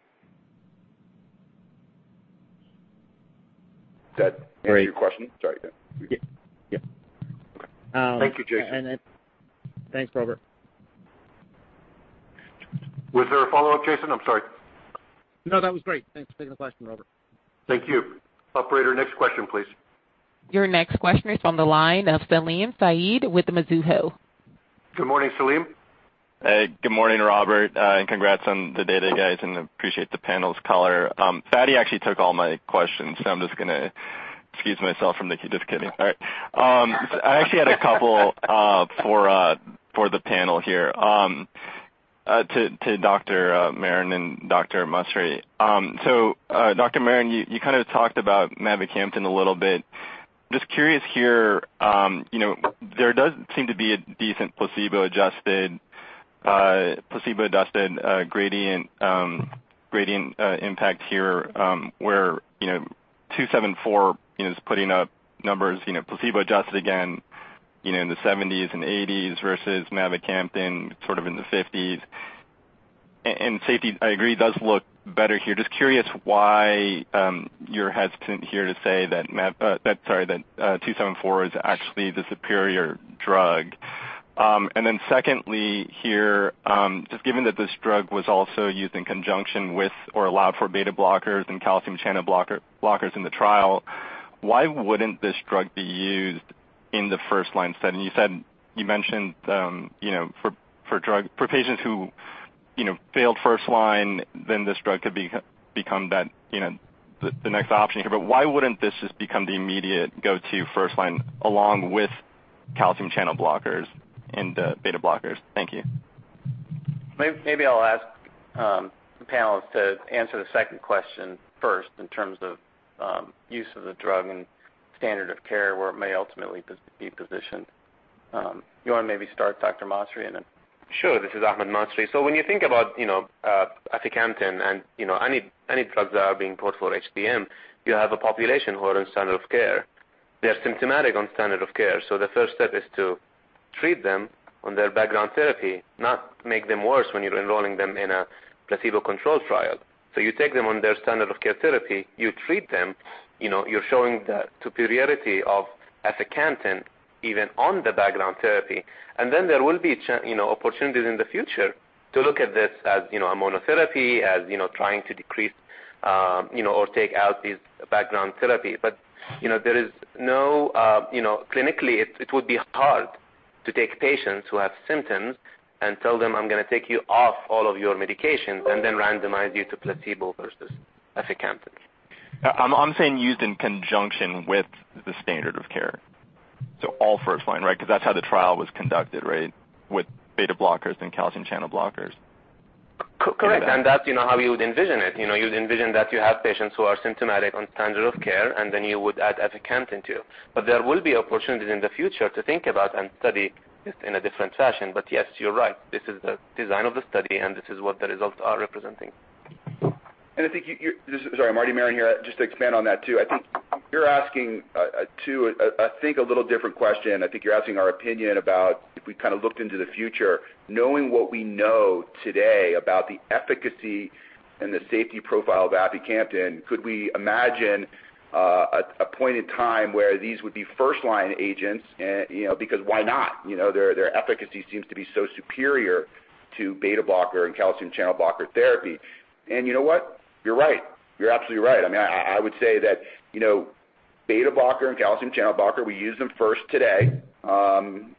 Does that answer your question? Sorry. Yeah. Okay. Thank you, Jason. Thanks, Robert. Was there a follow-up, Jason? I'm sorry. No, that was great. Thanks for taking the question, Robert. Thank you. Operator, next question, please. Your next question is on the line of Salim Syed with Mizuho. Good morning, Salim. Hey, good morning, Robert. Congrats on the data, guys, and appreciate the panel's color. Fady actually took all my questions. Just kidding. All right. I actually had a couple for the panel here. To Dr. Maron and Dr. Masri. Dr. Maron, you kind of talked about mavacamten a little bit. Just curious here, there does seem to be a decent placebo-adjusted gradient impact here where 274 is putting up numbers, placebo-adjusted again, in the 70s and 80s versus mavacamten sort of in the 50s. Safety, I agree, does look better here. Just curious why you're hesitant here to say that 274 is actually the superior drug. Secondly here, just given that this drug was also used in conjunction with or allowed for beta blockers and calcium channel blockers in the trial, why wouldn't this drug be used in the first-line setting? You mentioned for patients who failed first line, this drug could become the next option here, why wouldn't this just become the immediate go-to first line along with calcium channel blockers and beta blockers? Thank you. Maybe I'll ask the panelists to answer the second question first in terms of use of the drug and standard of care where it may ultimately be positioned. You want to maybe start, Dr. Masri? Sure. This is Ahmad Masri. When you think about aficamten and any drugs that are being put for HCM, you have a population who are on standard of care. They're symptomatic on standard of care, the first step is to treat them on their background therapy, not make them worse when you're enrolling them in a placebo-controlled trial. You take them on their standard of care therapy, you treat them, you're showing the superiority of aficamten even on the background therapy. Then there will be opportunities in the future to look at this as a monotherapy, as trying to decrease or take out these background therapy. Clinically, it would be hard to take patients who have symptoms and tell them, "I'm going to take you off all of your medications and then randomize you to placebo versus aficamten. I'm saying used in conjunction with the standard of care. All first line, right? Because that's how the trial was conducted, right? With beta blockers and calcium channel blockers. Correct. That's how you would envision it. You'd envision that you have patients who are symptomatic on standard of care, you would add aficamten too. There will be opportunities in the future to think about and study this in a different fashion. Yes, you're right. This is the design of the study, this is what the results are representing. Sorry, Martin Maron here. Just to expand on that too, I think you're asking two, I think a little different question. I think you're asking our opinion about if we kind of looked into the future, knowing what we know today about the efficacy and the safety profile of aficamten, could we imagine a point in time where these would be first-line agents? Why not? Their efficacy seems to be so superior to beta blocker and calcium channel blocker therapy. You know what? You're right. You're absolutely right. I would say that beta blocker and calcium channel blocker, we use them first today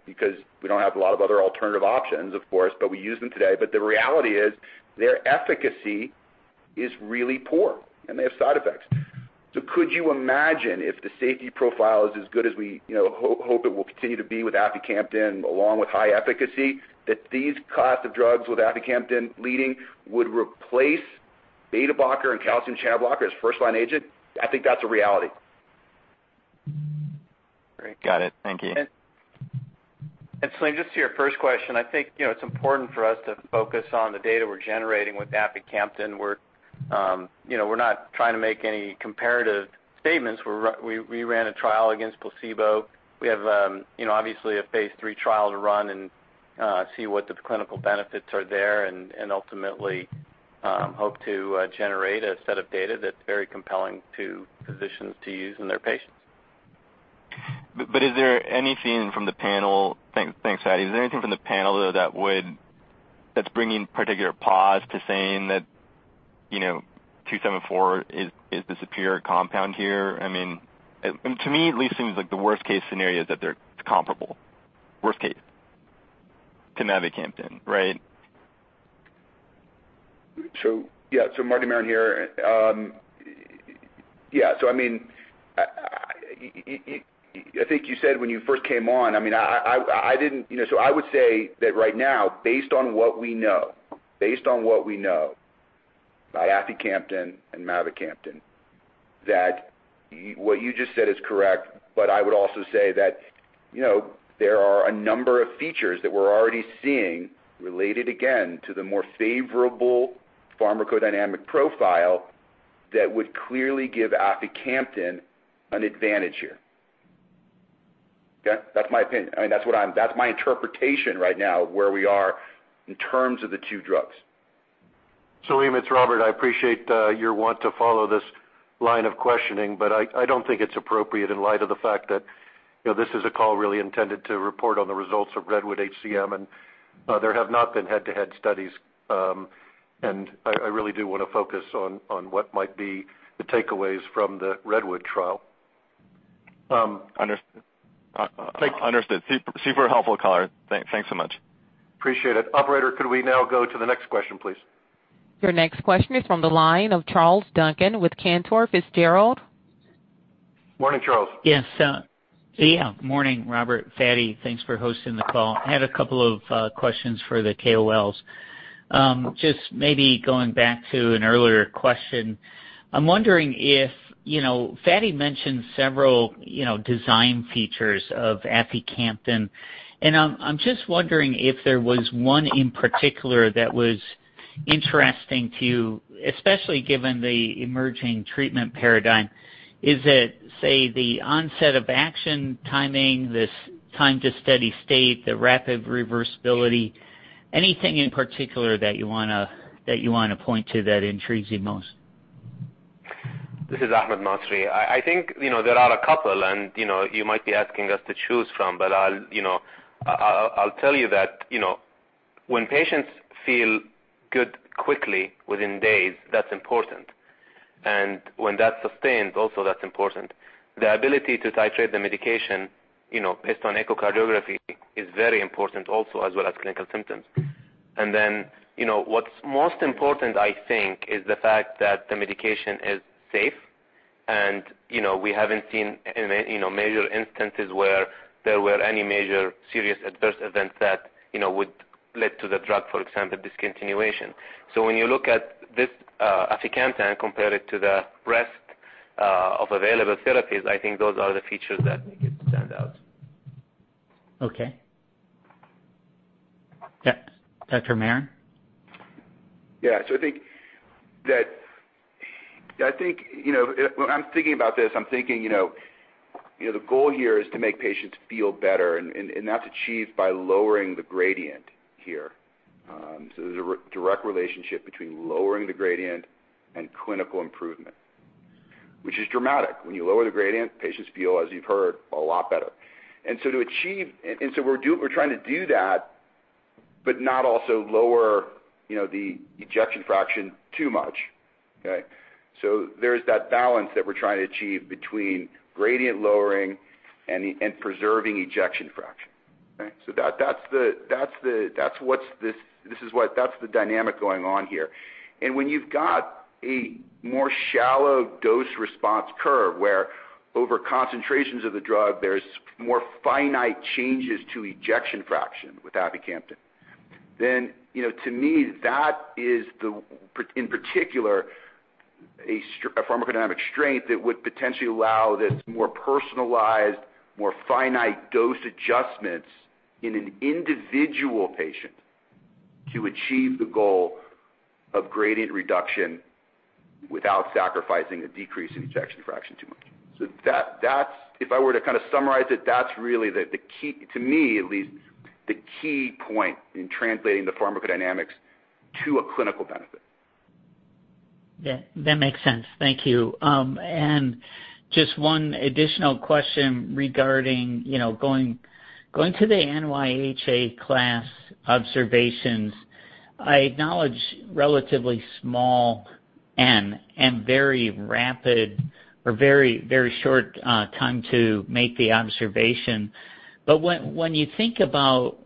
because we don't have a lot of other alternative options, of course, but we use them today. The reality is their efficacy is really poor, and they have side effects. Could you imagine if the safety profile is as good as we hope it will continue to be with aficamten along with high efficacy, that these class of drugs with aficamten leading would replace beta blocker and calcium channel blocker as first-line agent? I think that's a reality. Great. Got it. Thank you. Salim, just to your first question, I think it's important for us to focus on the data we're generating with aficamten. We're not trying to make any comparative statements. We ran a trial against placebo. We have, obviously, a phase III trial to run and see what the clinical benefits are there and ultimately hope to generate a set of data that's very compelling to physicians to use in their patients. Thanks, Fady. Is there anything from the panel, though, that's bringing particular pause to saying that CK-274 is the superior compound here? To me, at least seems like the worst case scenario is that it's comparable. Worst case to mavacamten, right? Martin Maron here. I think you said when you first came on, so I would say that right now, based on what we know by aficamten and mavacamten, that what you just said is correct. I would also say that there are a number of features that we're already seeing related, again, to the more favorable pharmacodynamic profile that would clearly give aficamten an advantage here. That's my opinion. That's my interpretation right now of where we are in terms of the two drugs. Salim, it's Robert. I appreciate your want to follow this line of questioning. I don't think it's appropriate in light of the fact that this is a call really intended to report on the results of REDWOOD-HCM, and there have not been head-to-head studies. I really do want to focus on what might be the takeaways from the REDWOOD trial. Understood. Super helpful call. Thanks so much. Appreciate it. Operator, could we now go to the next question, please? Your next question is from the line of Charles Duncan with Cantor Fitzgerald. Morning, Charles. Yes. Yeah, morning, Robert, Fady. Thanks for hosting the call. I had a couple of questions for the KOLs. Just maybe going back to an earlier question, Fady mentioned several design features of aficamten. I'm just wondering if there was one in particular that was interesting to you, especially given the emerging treatment paradigm. Is it, say, the onset of action timing, this time to steady state, the rapid reversibility? Anything in particular that you want to point to that intrigues you most? This is Ahmad Masri. I think there are a couple, and you might be asking us to choose from, but I'll tell you that when patients feel good quickly within days, that's important. When that's sustained, also that's important. The ability to titrate the medication based on echocardiography is very important also, as well as clinical symptoms. Then, what's most important, I think, is the fact that the medication is safe and we haven't seen major instances where there were any major serious adverse events that would lead to the drug, for example, discontinuation. When you look at this aficamten and compare it to the rest of available therapies, I think those are the features that make it stand out. Okay. Yeah. Dr. Maron? Yeah. When I'm thinking about this, I'm thinking the goal here is to make patients feel better, and that's achieved by lowering the gradient here. There's a direct relationship between lowering the gradient and clinical improvement, which is dramatic. When you lower the gradient, patients feel, as you've heard, a lot better. We're trying to do that, but not also lower the ejection fraction too much. Okay? There's that balance that we're trying to achieve between gradient lowering and preserving ejection fraction. Okay? That's the dynamic going on here. When you've got a more shallow dose response curve, where over concentrations of the drug, there's more finite changes to ejection fraction with aficamten. To me, that is the, in particular, a pharmacodynamic strength that would potentially allow this more personalized, more finite dose adjustments in an individual patient to achieve the goal of gradient reduction without sacrificing or decreasing ejection fraction too much. If I were to kind of summarize it, that's really the key, to me at least, the key point in translating the pharmacodynamics to a clinical benefit. Yeah, that makes sense. Thank you. Just one additional question regarding going to the NYHA class observations. I acknowledge relatively small N and very rapid or very short time to make the observation. When you think about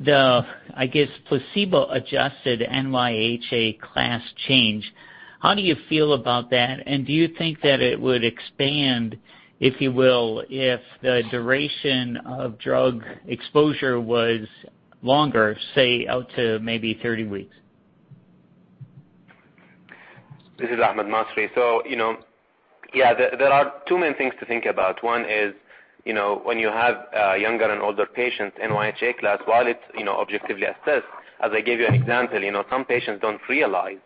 the, I guess, placebo-adjusted NYHA class change, how do you feel about that? Do you think that it would expand, if you will, if the duration of drug exposure was longer, say, out to maybe 30 weeks? This is Ahmad Masri. Yeah, there are two main things to think about. One is when you have younger and older patients, NYHA class, while it's objectively assessed, as I gave you an example, some patients don't realize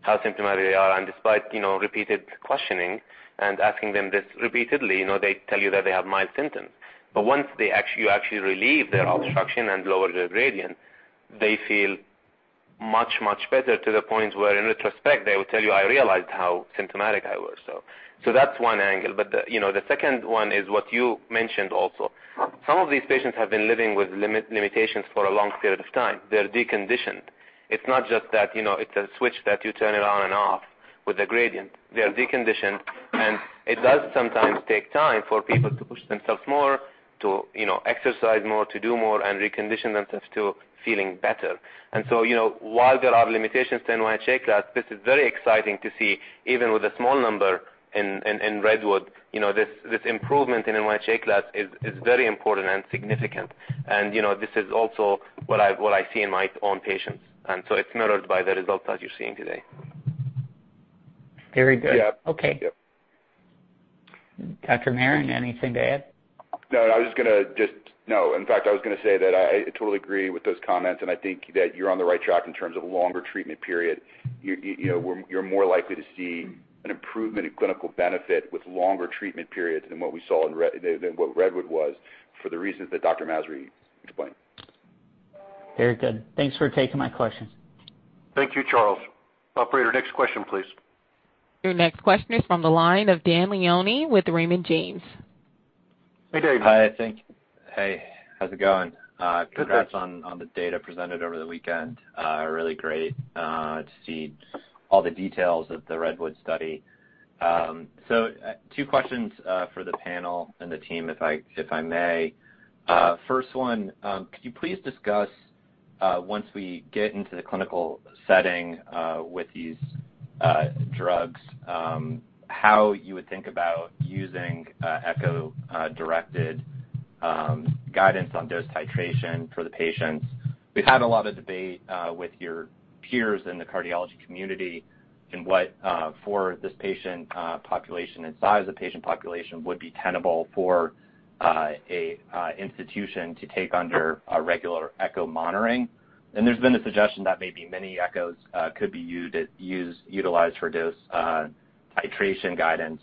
how symptomatic they are. Despite repeated questioning and asking them this repeatedly, they tell you that they have mild symptoms. Once you actually relieve their obstruction and lower their gradient, they feel much, much better to the point where, in retrospect, they will tell you, "I realized how symptomatic I was." That's one angle. The second one is what you mentioned also. Some of these patients have been living with limitations for a long period of time. They're deconditioned. It's not just that it's a switch that you turn it on and off with a gradient. They're deconditioned, and it does sometimes take time for people to push themselves more, to exercise more, to do more, and recondition themselves to feeling better. While there are limitations to NYHA class, this is very exciting to see, even with a small number in REDWOOD. This improvement in NYHA class is very important and significant. This is also what I see in my own patients. It's mirrored by the results that you're seeing today. Very good. Yeah. Okay. Dr. Maron, anything to add? No. In fact, I was going to say that I totally agree with those comments. I think that you're on the right track in terms of longer treatment period. You're more likely to see an improvement in clinical benefit with longer treatment periods than what Redwood was for the reasons that Dr. Masri explained. Very good. Thanks for taking my questions. Thank you, Charles. Operator, next question, please. Your next question is from the line of Dane Leone with Raymond James. Hey, Dane. Hi. Thank you. Hey, how's it going? Good, thanks. Congrats on the data presented over the weekend. Really great to see all the details of the REDWOOD-HCM Study. Two questions for the panel and the team, if I may. First one, could you please discussOnce we get into the clinical setting with these drugs, how you would think about using echo-directed guidance on dose titration for the patients. We've had a lot of debate with your peers in the cardiology community on what, for this patient population and size of patient population, would be tenable for an institution to take under a regular echo monitoring. There's been a suggestion that maybe many echoes could be utilized for dose titration guidance,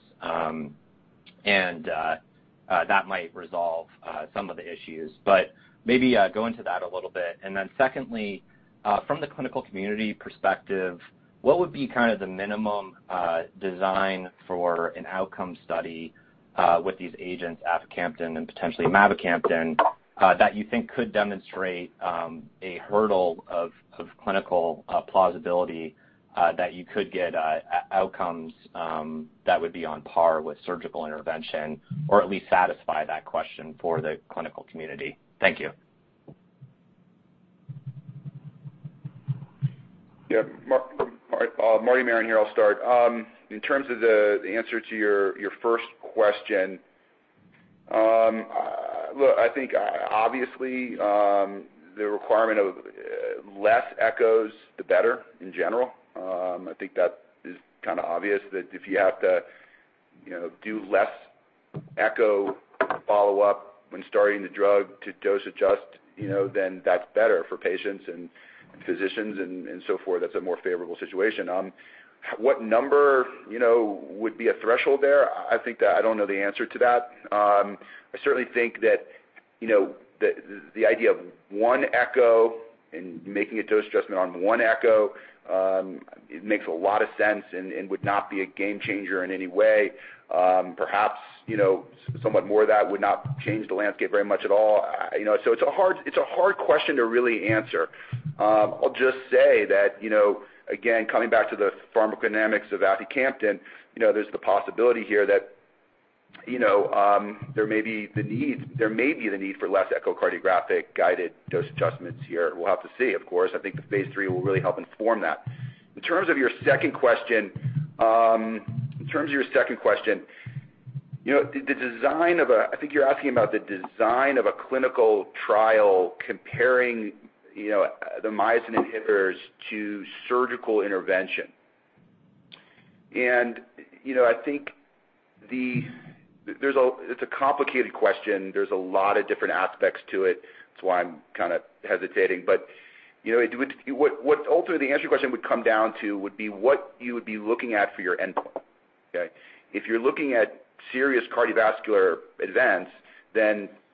and that might resolve some of the issues. Maybe go into that a little bit. Secondly, from the clinical community perspective, what would be the minimum design for an outcome study with these agents, aficamten and potentially mavacamten, that you think could demonstrate a hurdle of clinical plausibility that you could get outcomes that would be on par with surgical intervention, or at least satisfy that question for the clinical community? Thank you. Yeah. Martin Maron here. I'll start. In terms of the answer to your first question, look, I think obviously, the requirement of less echoes, the better in general. I think that is obvious that if you have to do less echo follow-up when starting the drug to dose adjust, then that's better for patients and physicians and so forth. That's a more favorable situation. What number would be a threshold there? I think that I don't know the answer to that. I certainly think that the idea of one echo and making a dose adjustment on one echo makes a lot of sense and would not be a game changer in any way. Perhaps, somewhat more of that would not change the landscape very much at all. It's a hard question to really answer. I'll just say that, again, coming back to the pharmacodynamics of aficamten, there's the possibility here that there may be the need for less echocardiographic-guided dose adjustments here. We'll have to see, of course. I think the phase III will really help inform that. In terms of your second question, I think you're asking about the design of a clinical trial comparing the myosin inhibitors to surgical intervention. I think it's a complicated question. There's a lot of different aspects to it. That's why I'm kind of hesitating. What ultimately the answer to your question would come down to would be what you would be looking at for your endpoint. Okay. If you're looking at serious cardiovascular events,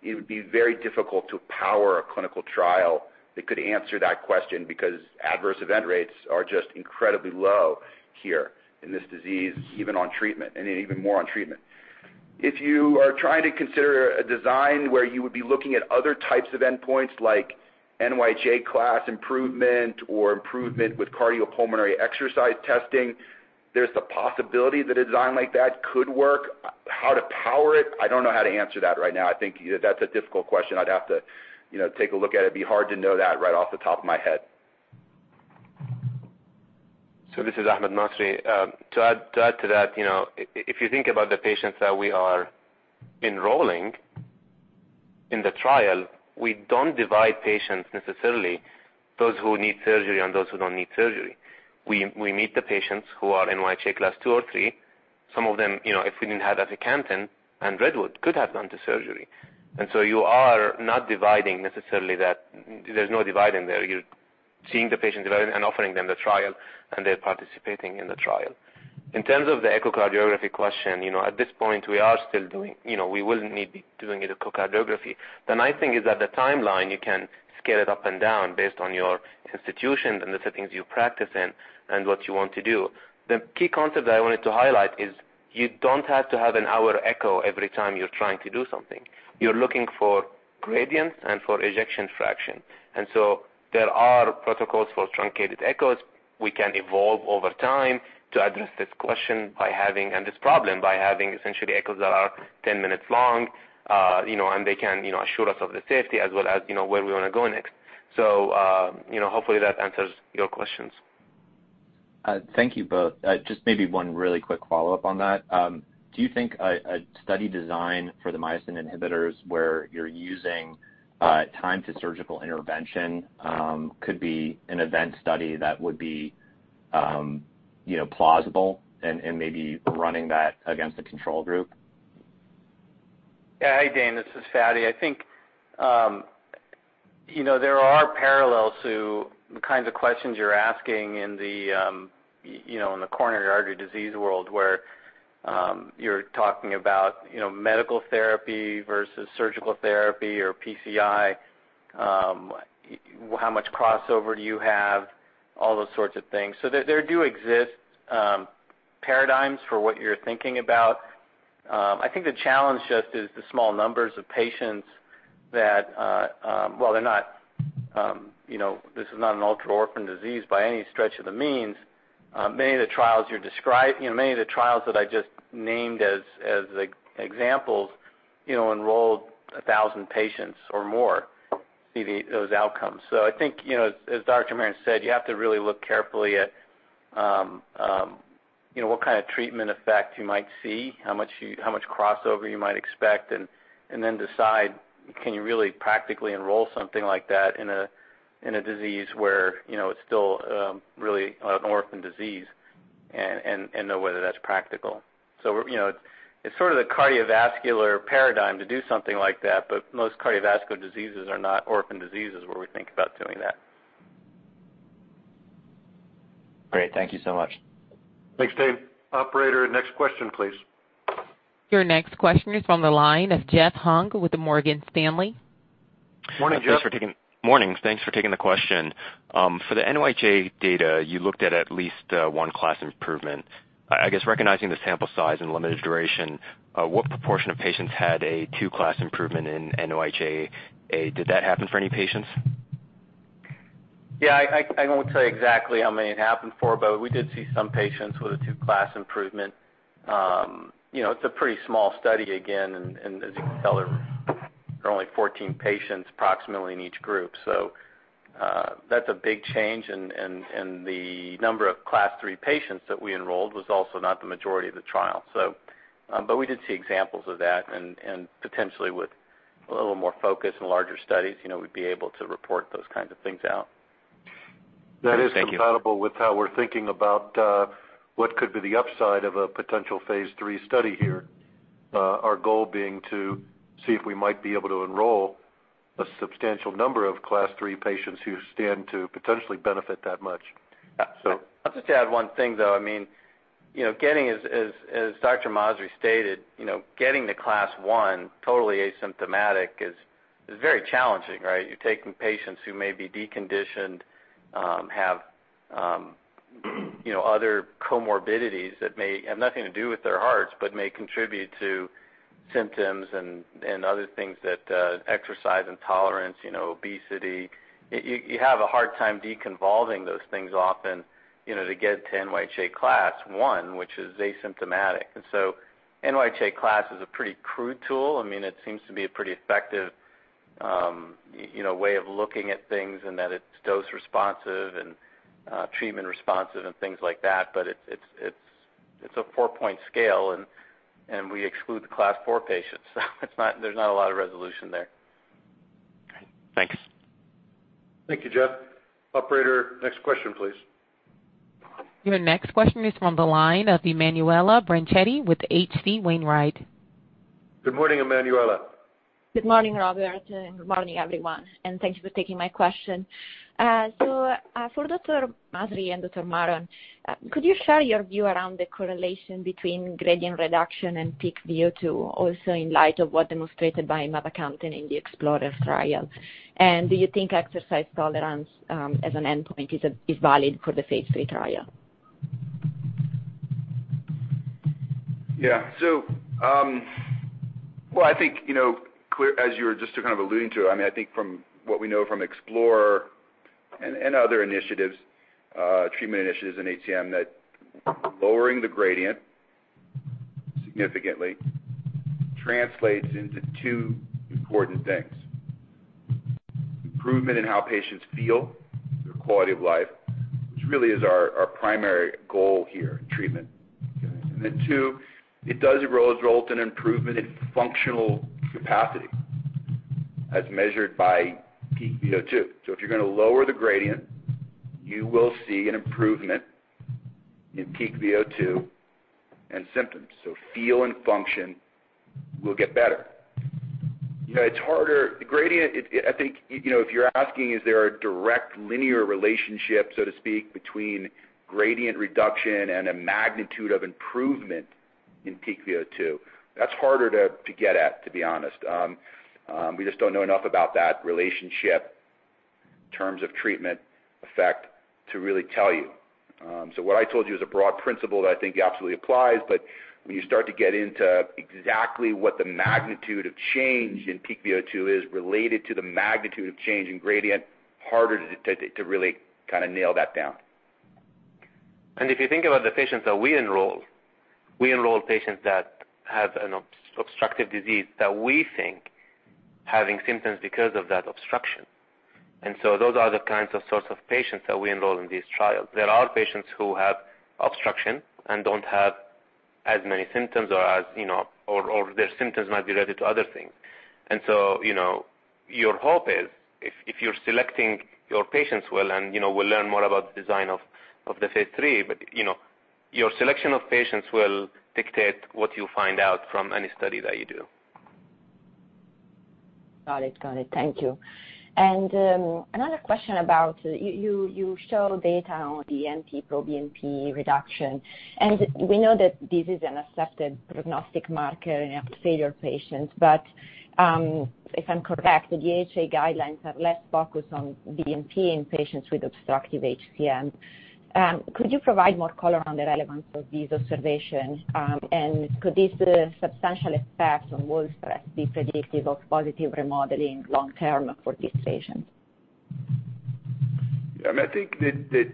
it would be very difficult to power a clinical trial that could answer that question because adverse event rates are just incredibly low here in this disease, even on treatment, and even more on treatment. If you are trying to consider a design where you would be looking at other types of endpoints like NYHA class improvement or improvement with cardiopulmonary exercise testing, there's the possibility that a design like that could work. How to power it, I don't know how to answer that right now. I think that's a difficult question. I'd have to take a look at it. It'd be hard to know that right off the top of my head. This is Ahmad Masri. To add to that, if you think about the patients that we are enrolling in the trial, we don't divide patients necessarily, those who need surgery and those who don't need surgery. We meet the patients who are NYHA Class two or three. Some of them, if we didn't have aficamten and REDWOOD, could have gone to surgery. You are not dividing necessarily that. There's no dividing there. You're seeing the patient develop and offering them the trial, and they're participating in the trial. In terms of the echocardiography question, at this point we will need to be doing echocardiography. The nice thing is that the timeline, you can scale it up and down based on your institution and the settings you practice in and what you want to do. The key concept that I wanted to highlight is you don't have to have an hour echo every time you're trying to do something. You're looking for gradients and for ejection fraction. There are protocols for truncated echoes. We can evolve over time to address this question and this problem by having essentially echoes that are 10 minutes long, and they can assure us of the safety as well as where we want to go next. Hopefully that answers your questions. Thank you both. Just maybe one really quick follow-up on that. Do you think a study design for the myosin inhibitors where you're using time to surgical intervention could be an event study that would be plausible and maybe running that against a control group? Yeah. Hey, Dane. This is Fady. I think there are parallels to the kinds of questions you're asking in the coronary artery disease world, where you're talking about medical therapy versus surgical therapy or PCI, how much crossover do you have, all those sorts of things. There do exist paradigms for what you're thinking about. I think the challenge just is the small numbers of patients that while this is not an ultra-orphan disease by any stretch of the means. Many of the trials that I just named as examples enrolled 1,000 patients or more to see those outcomes. I think, as Dr. Maron said, you have to really look carefully at what kind of treatment effect you might see, how much crossover you might expect, and then decide can you really practically enroll something like that in a disease where it's still really an orphan disease, and know whether that's practical. It's sort of the cardiovascular paradigm to do something like that, but most cardiovascular diseases are not orphan diseases where we think about doing that. Great. Thank you so much. Thanks, Dane. Operator, next question, please. Your next question is from the line of Jeff Hung with Morgan Stanley. Morning, Jeff. Morning. Thanks for taking the question. For the NYHA data, you looked at at least one class improvement. I guess recognizing the sample size and limited duration, what proportion of patients had a two-class improvement in NYHA? Did that happen for any patients? Yeah, I won't say exactly how many it happened for, but we did see some patients with a two-class improvement. It's a pretty small study, again, and as you can tell, there are only 14 patients approximately in each group. That's a big change, and the number of class three patients that we enrolled was also not the majority of the trial. We did see examples of that, and potentially with a little more focus and larger studies, we'd be able to report those kinds of things out. Thank you. That is compatible with how we're thinking about what could be the upside of a potential phase III study here. Our goal being to see if we might be able to enroll a substantial number of class three patients who stand to potentially benefit that much. I'll just add one thing, though. As Dr. Masri stated, getting to class one, totally asymptomatic, is very challenging, right? You're taking patients who may be deconditioned, have other comorbidities that may have nothing to do with their hearts, but may contribute to symptoms and other things that exercise intolerance, obesity. You have a hard time deconvolutioning those things often, to get to NYHA class one, which is asymptomatic. NYHA class is a pretty crude tool. It seems to be a pretty effective way of looking at things, and that it's dose responsive and treatment responsive and things like that. It's a four-point scale, and we exclude the class four patients. There's not a lot of resolution there. All right. Thanks. Thank you, Jeff. Operator, next question, please. Your next question is from the line of Emanuela Branchetti with H.C. Wainwright. Good morning, Emanuela. Good morning, Robert, good morning, everyone, and thank you for taking my question. For Dr. Masri and Dr. Maron, could you share your view around the correlation between gradient reduction and peak VO2, also in light of what demonstrated by mavacamten in the EXPLORER-HCM trial? Do you think exercise tolerance as an endpoint is valid for the phase III trial? Yeah. Well, I think as you were just alluding to, I think from what we know from EXPLORER and other initiatives, treatment initiatives in HCM, that lowering the gradient significantly translates into two important things. Improvement in how patients feel, their quality of life, which really is our primary goal here in treatment. Two, it does result in improvement in functional capacity as measured by peak VO2. If you're going to lower the gradient, you will see an improvement in peak VO2 and symptoms. Feel and function will get better. The gradient, I think, if you're asking is there a direct linear relationship, so to speak, between gradient reduction and a magnitude of improvement in peak VO2, that's harder to get at, to be honest. We just don't know enough about that relationship in terms of treatment effect to really tell you. What I told you is a broad principle that I think absolutely applies, but when you start to get into exactly what the magnitude of change in peak VO2 is related to the magnitude of change in gradient, harder to really nail that down. If you think about the patients that we enroll, we enroll patients that have an obstructive disease that we think having symptoms because of that obstruction. Those are the kinds of sorts of patients that we enroll in these trials. There are patients who have obstruction and don't have as many symptoms, or their symptoms might be related to other things. Your hope is, if you're selecting your patients well, and we'll learn more about the design of the phase III, but your selection of patients will dictate what you'll find out from any study that you do. Got it. Thank you. Another question about you show data on the NT-proBNP reduction, and we know that this is an accepted prognostic marker in heart failure patients. If I'm correct, the AHA guidelines have less focus on BNP in patients with obstructive HCM. Could you provide more color on the relevance of these observations? Could these substantial effects on wall stress be predictive of positive remodeling long-term for these patients? I think that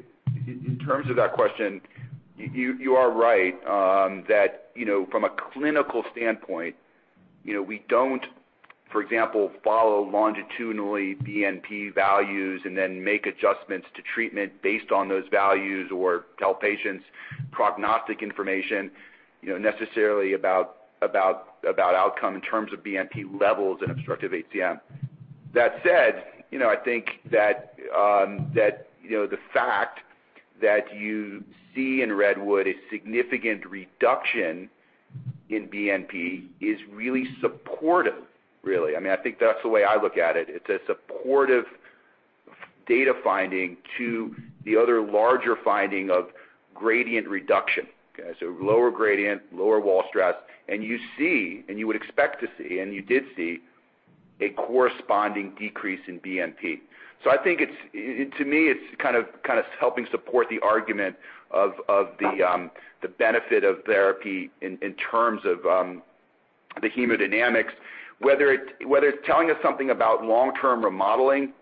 in terms of that question, you are right that from a clinical standpoint, we don't, for example, follow longitudinally BNP values and then make adjustments to treatment based on those values or tell patients prognostic information necessarily about outcome in terms of BNP levels and obstructive HCM. That said, I think that the fact that you see in REDWOOD-HCM a significant reduction in BNP is really supportive. I think that's the way I look at it. It's a supportive data finding to the other larger finding of gradient reduction. Lower gradient, lower wall stress. You see, and you would expect to see, and you did see a corresponding decrease in BNP. I think to me, it's helping support the argument of the benefit of therapy in terms of the hemodynamics. Whether it's telling us something about long-term remodeling,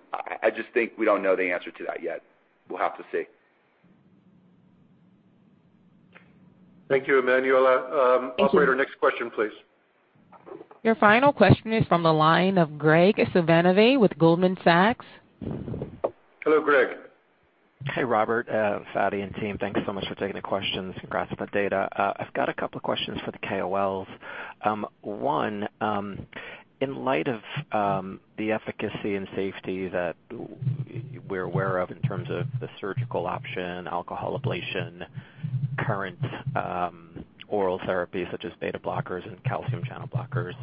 I just think we don't know the answer to that yet. We'll have to see. Thank you, Emanuela. Thank you. Operator, next question, please. Your final question is from the line of Graig Suvannavejh with Goldman Sachs. Hello, Graig. Hey, Robert, Fady, and team. Thanks so much for taking the questions. Congrats on the data. I've got a couple of questions for the KOLs. One, in light of the efficacy and safety that we're aware of in terms of the surgical option, alcohol septal ablation, current oral therapies such as beta blockers and calcium channel blockers.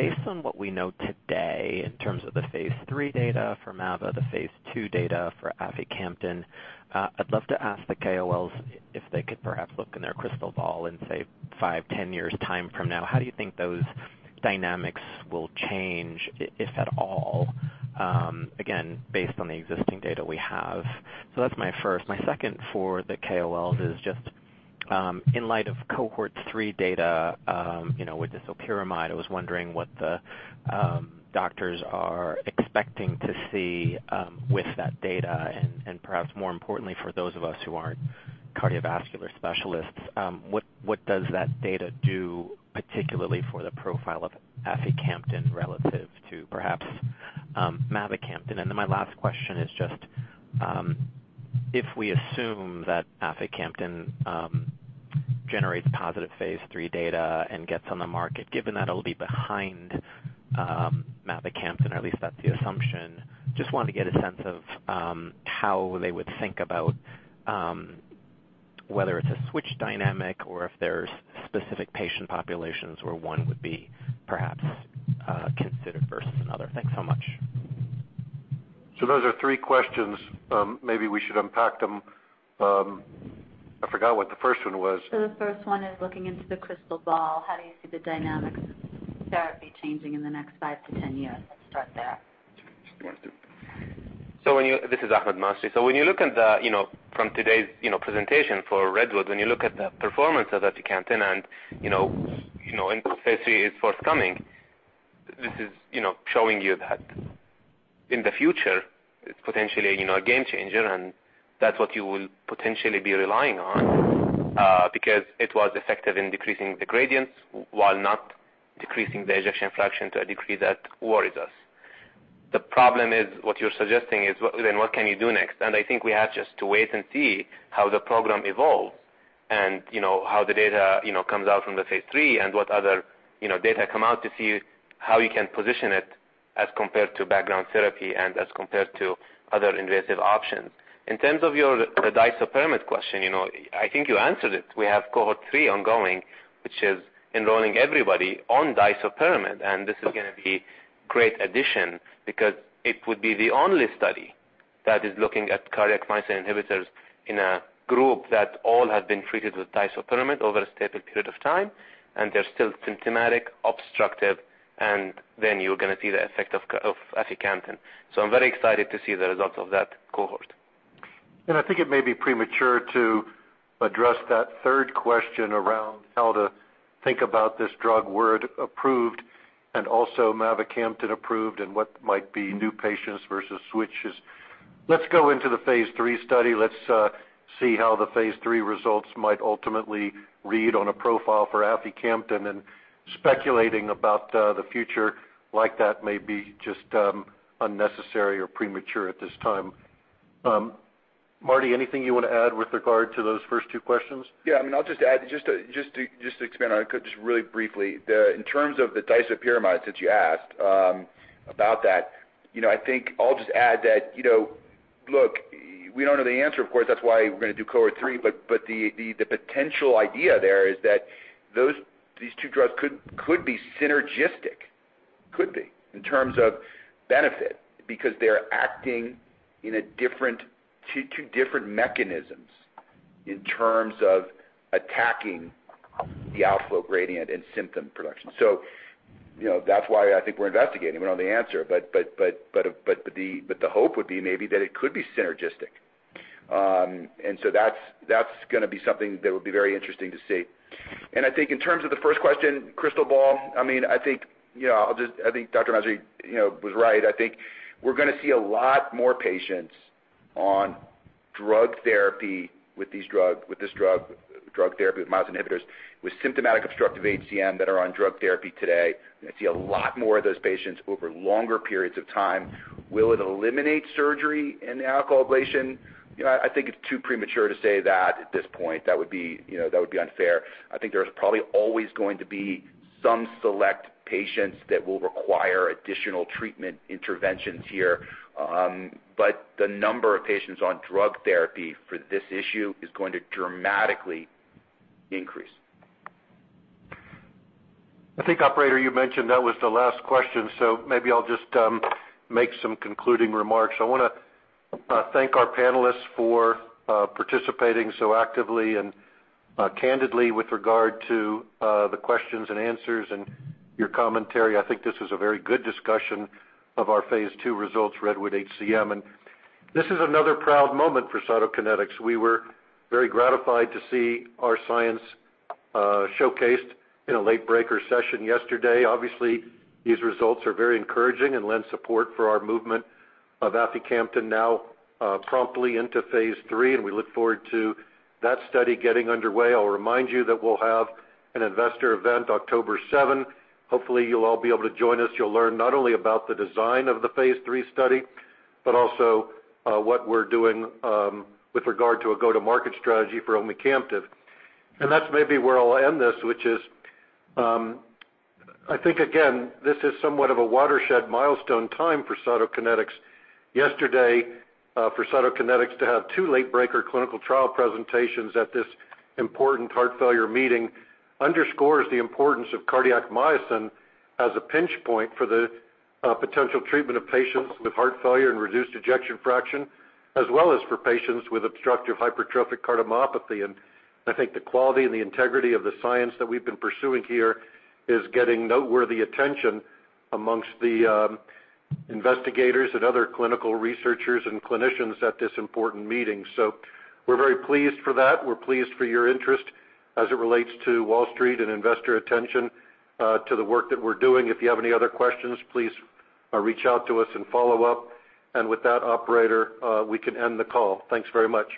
Based on what we know today in terms of the phase III data for mavacamten, the phase II data for aficamten. I'd love to ask the KOLs if they could perhaps look in their crystal ball and say, five, 10 years' time from now, how do you think those dynamics will change, if at all? Again, based on the existing data we have. That's my first. My second for the KOLs is just in light of cohort three data with disopyramide, I was wondering what the doctors are expecting to see with that data. Perhaps more importantly, for those of us who aren't cardiovascular specialists, what does that data do, particularly for the profile of aficamten relative to perhaps mavacamten? My last question is just if we assume that aficamten generates positive phase III data and gets on the market, given that it'll be behind mavacamten, or at least that's the assumption. Just wanted to get a sense of how they would think about whether it's a switch dynamic or if there's specific patient populations where one would be perhaps considered versus another. Thanks so much. Those are three questions. Maybe we should unpack them. I forgot what the first one was. The first one is looking into the crystal ball. How do you see the dynamics of therapy changing in the next 5-10 years? Let's start there. You want to do it? This is Ahmad Masri. When you look at from today's presentation for REDWOOD-HCM, when you look at the performance of aficamten and phase III is forthcoming. This is showing you that in the future, it's potentially a game changer and that's what you will potentially be relying on because it was effective in decreasing the gradients while not decreasing the ejection fraction to a degree that worries us. The problem is what you're suggesting is then what can you do next? I think we have just to wait and see how the program evolves and how the data comes out from the phase III and what other data come out to see how you can position it as compared to background therapy and as compared to other invasive options. In terms of your disopyramide question, I think you answered it. We have cohort 3 ongoing, which is enrolling everybody on disopyramide. This is going to be great addition because it would be the only study that is looking at cardiac myosin inhibitors in a group that all have been treated with disopyramide over a stated period of time. They're still symptomatic, obstructive. Then you're going to see the effect of aficamten. I'm very excited to see the results of that cohort. I think it may be premature to address that third question around how to think about this drug were it approved and also mavacamten approved, and what might be new patients versus switches. Let's go into the phase III study. Let's see how the phase III results might ultimately read on a profile for aficamten and speculating about the future like that may be just unnecessary or premature at this time. Martin, anything you want to add with regard to those first two questions? Yeah, I'll just add, just to expand on it just really briefly. In terms of the disopyramide that you asked about that, I think I'll just add that, look, we don't know the answer, of course, that's why we're going to do cohort 3. The potential idea there is that these two drugs could be synergistic. Could be, in terms of benefit, because they're acting in two different mechanisms in terms of attacking the outflow gradient and symptom production. That's why I think we're investigating. We don't know the answer, but the hope would be maybe that it could be synergistic. That's going to be something that will be very interesting to see. I think in terms of the first question, crystal ball, I think Dr. Masri was right. I think we're going to see a lot more patients on drug therapy with myosin inhibitors, with symptomatic obstructive HCM that are on drug therapy today. We're going to see a lot more of those patients over longer periods of time. Will it eliminate surgery and alcohol ablation? I think it's too premature to say that at this point. That would be unfair. I think there's probably always going to be some select patients that will require additional treatment interventions here. The number of patients on drug therapy for this issue is going to dramatically increase. I think, operator, you mentioned that was the last question, so maybe I'll just make some concluding remarks. I want to thank our panelists for participating so actively and candidly with regard to the questions and answers and your commentary. I think this is a very good discussion of our phase II results, REDWOOD-HCM. This is another proud moment for Cytokinetics. We were very gratified to see our science showcased in a late-breaker session yesterday. Obviously, these results are very encouraging and lend support for our movement of aficamten now promptly into phase III, and we look forward to that study getting underway. I'll remind you that we'll have an investor event October seventh. Hopefully, you'll all be able to join us. You'll learn not only about the design of the phase III study, but also what we're doing with regard to a go-to-market strategy for omecamtiv. That's maybe where I'll end this, which is, I think, again, this is somewhat of a watershed milestone time for Cytokinetics. Yesterday, for Cytokinetics to have two late-breaker clinical trial presentations at this important heart failure meeting underscores the importance of cardiac myosin as a pinch point for the potential treatment of patients with heart failure and reduced ejection fraction, as well as for patients with obstructive hypertrophic cardiomyopathy. I think the quality and the integrity of the science that we've been pursuing here is getting noteworthy attention amongst the investigators and other clinical researchers and clinicians at this important meeting. We're very pleased for that. We're pleased for your interest as it relates to Wall Street and investor attention to the work that we're doing. If you have any other questions, please reach out to us and follow up. With that, operator, we can end the call. Thanks very much.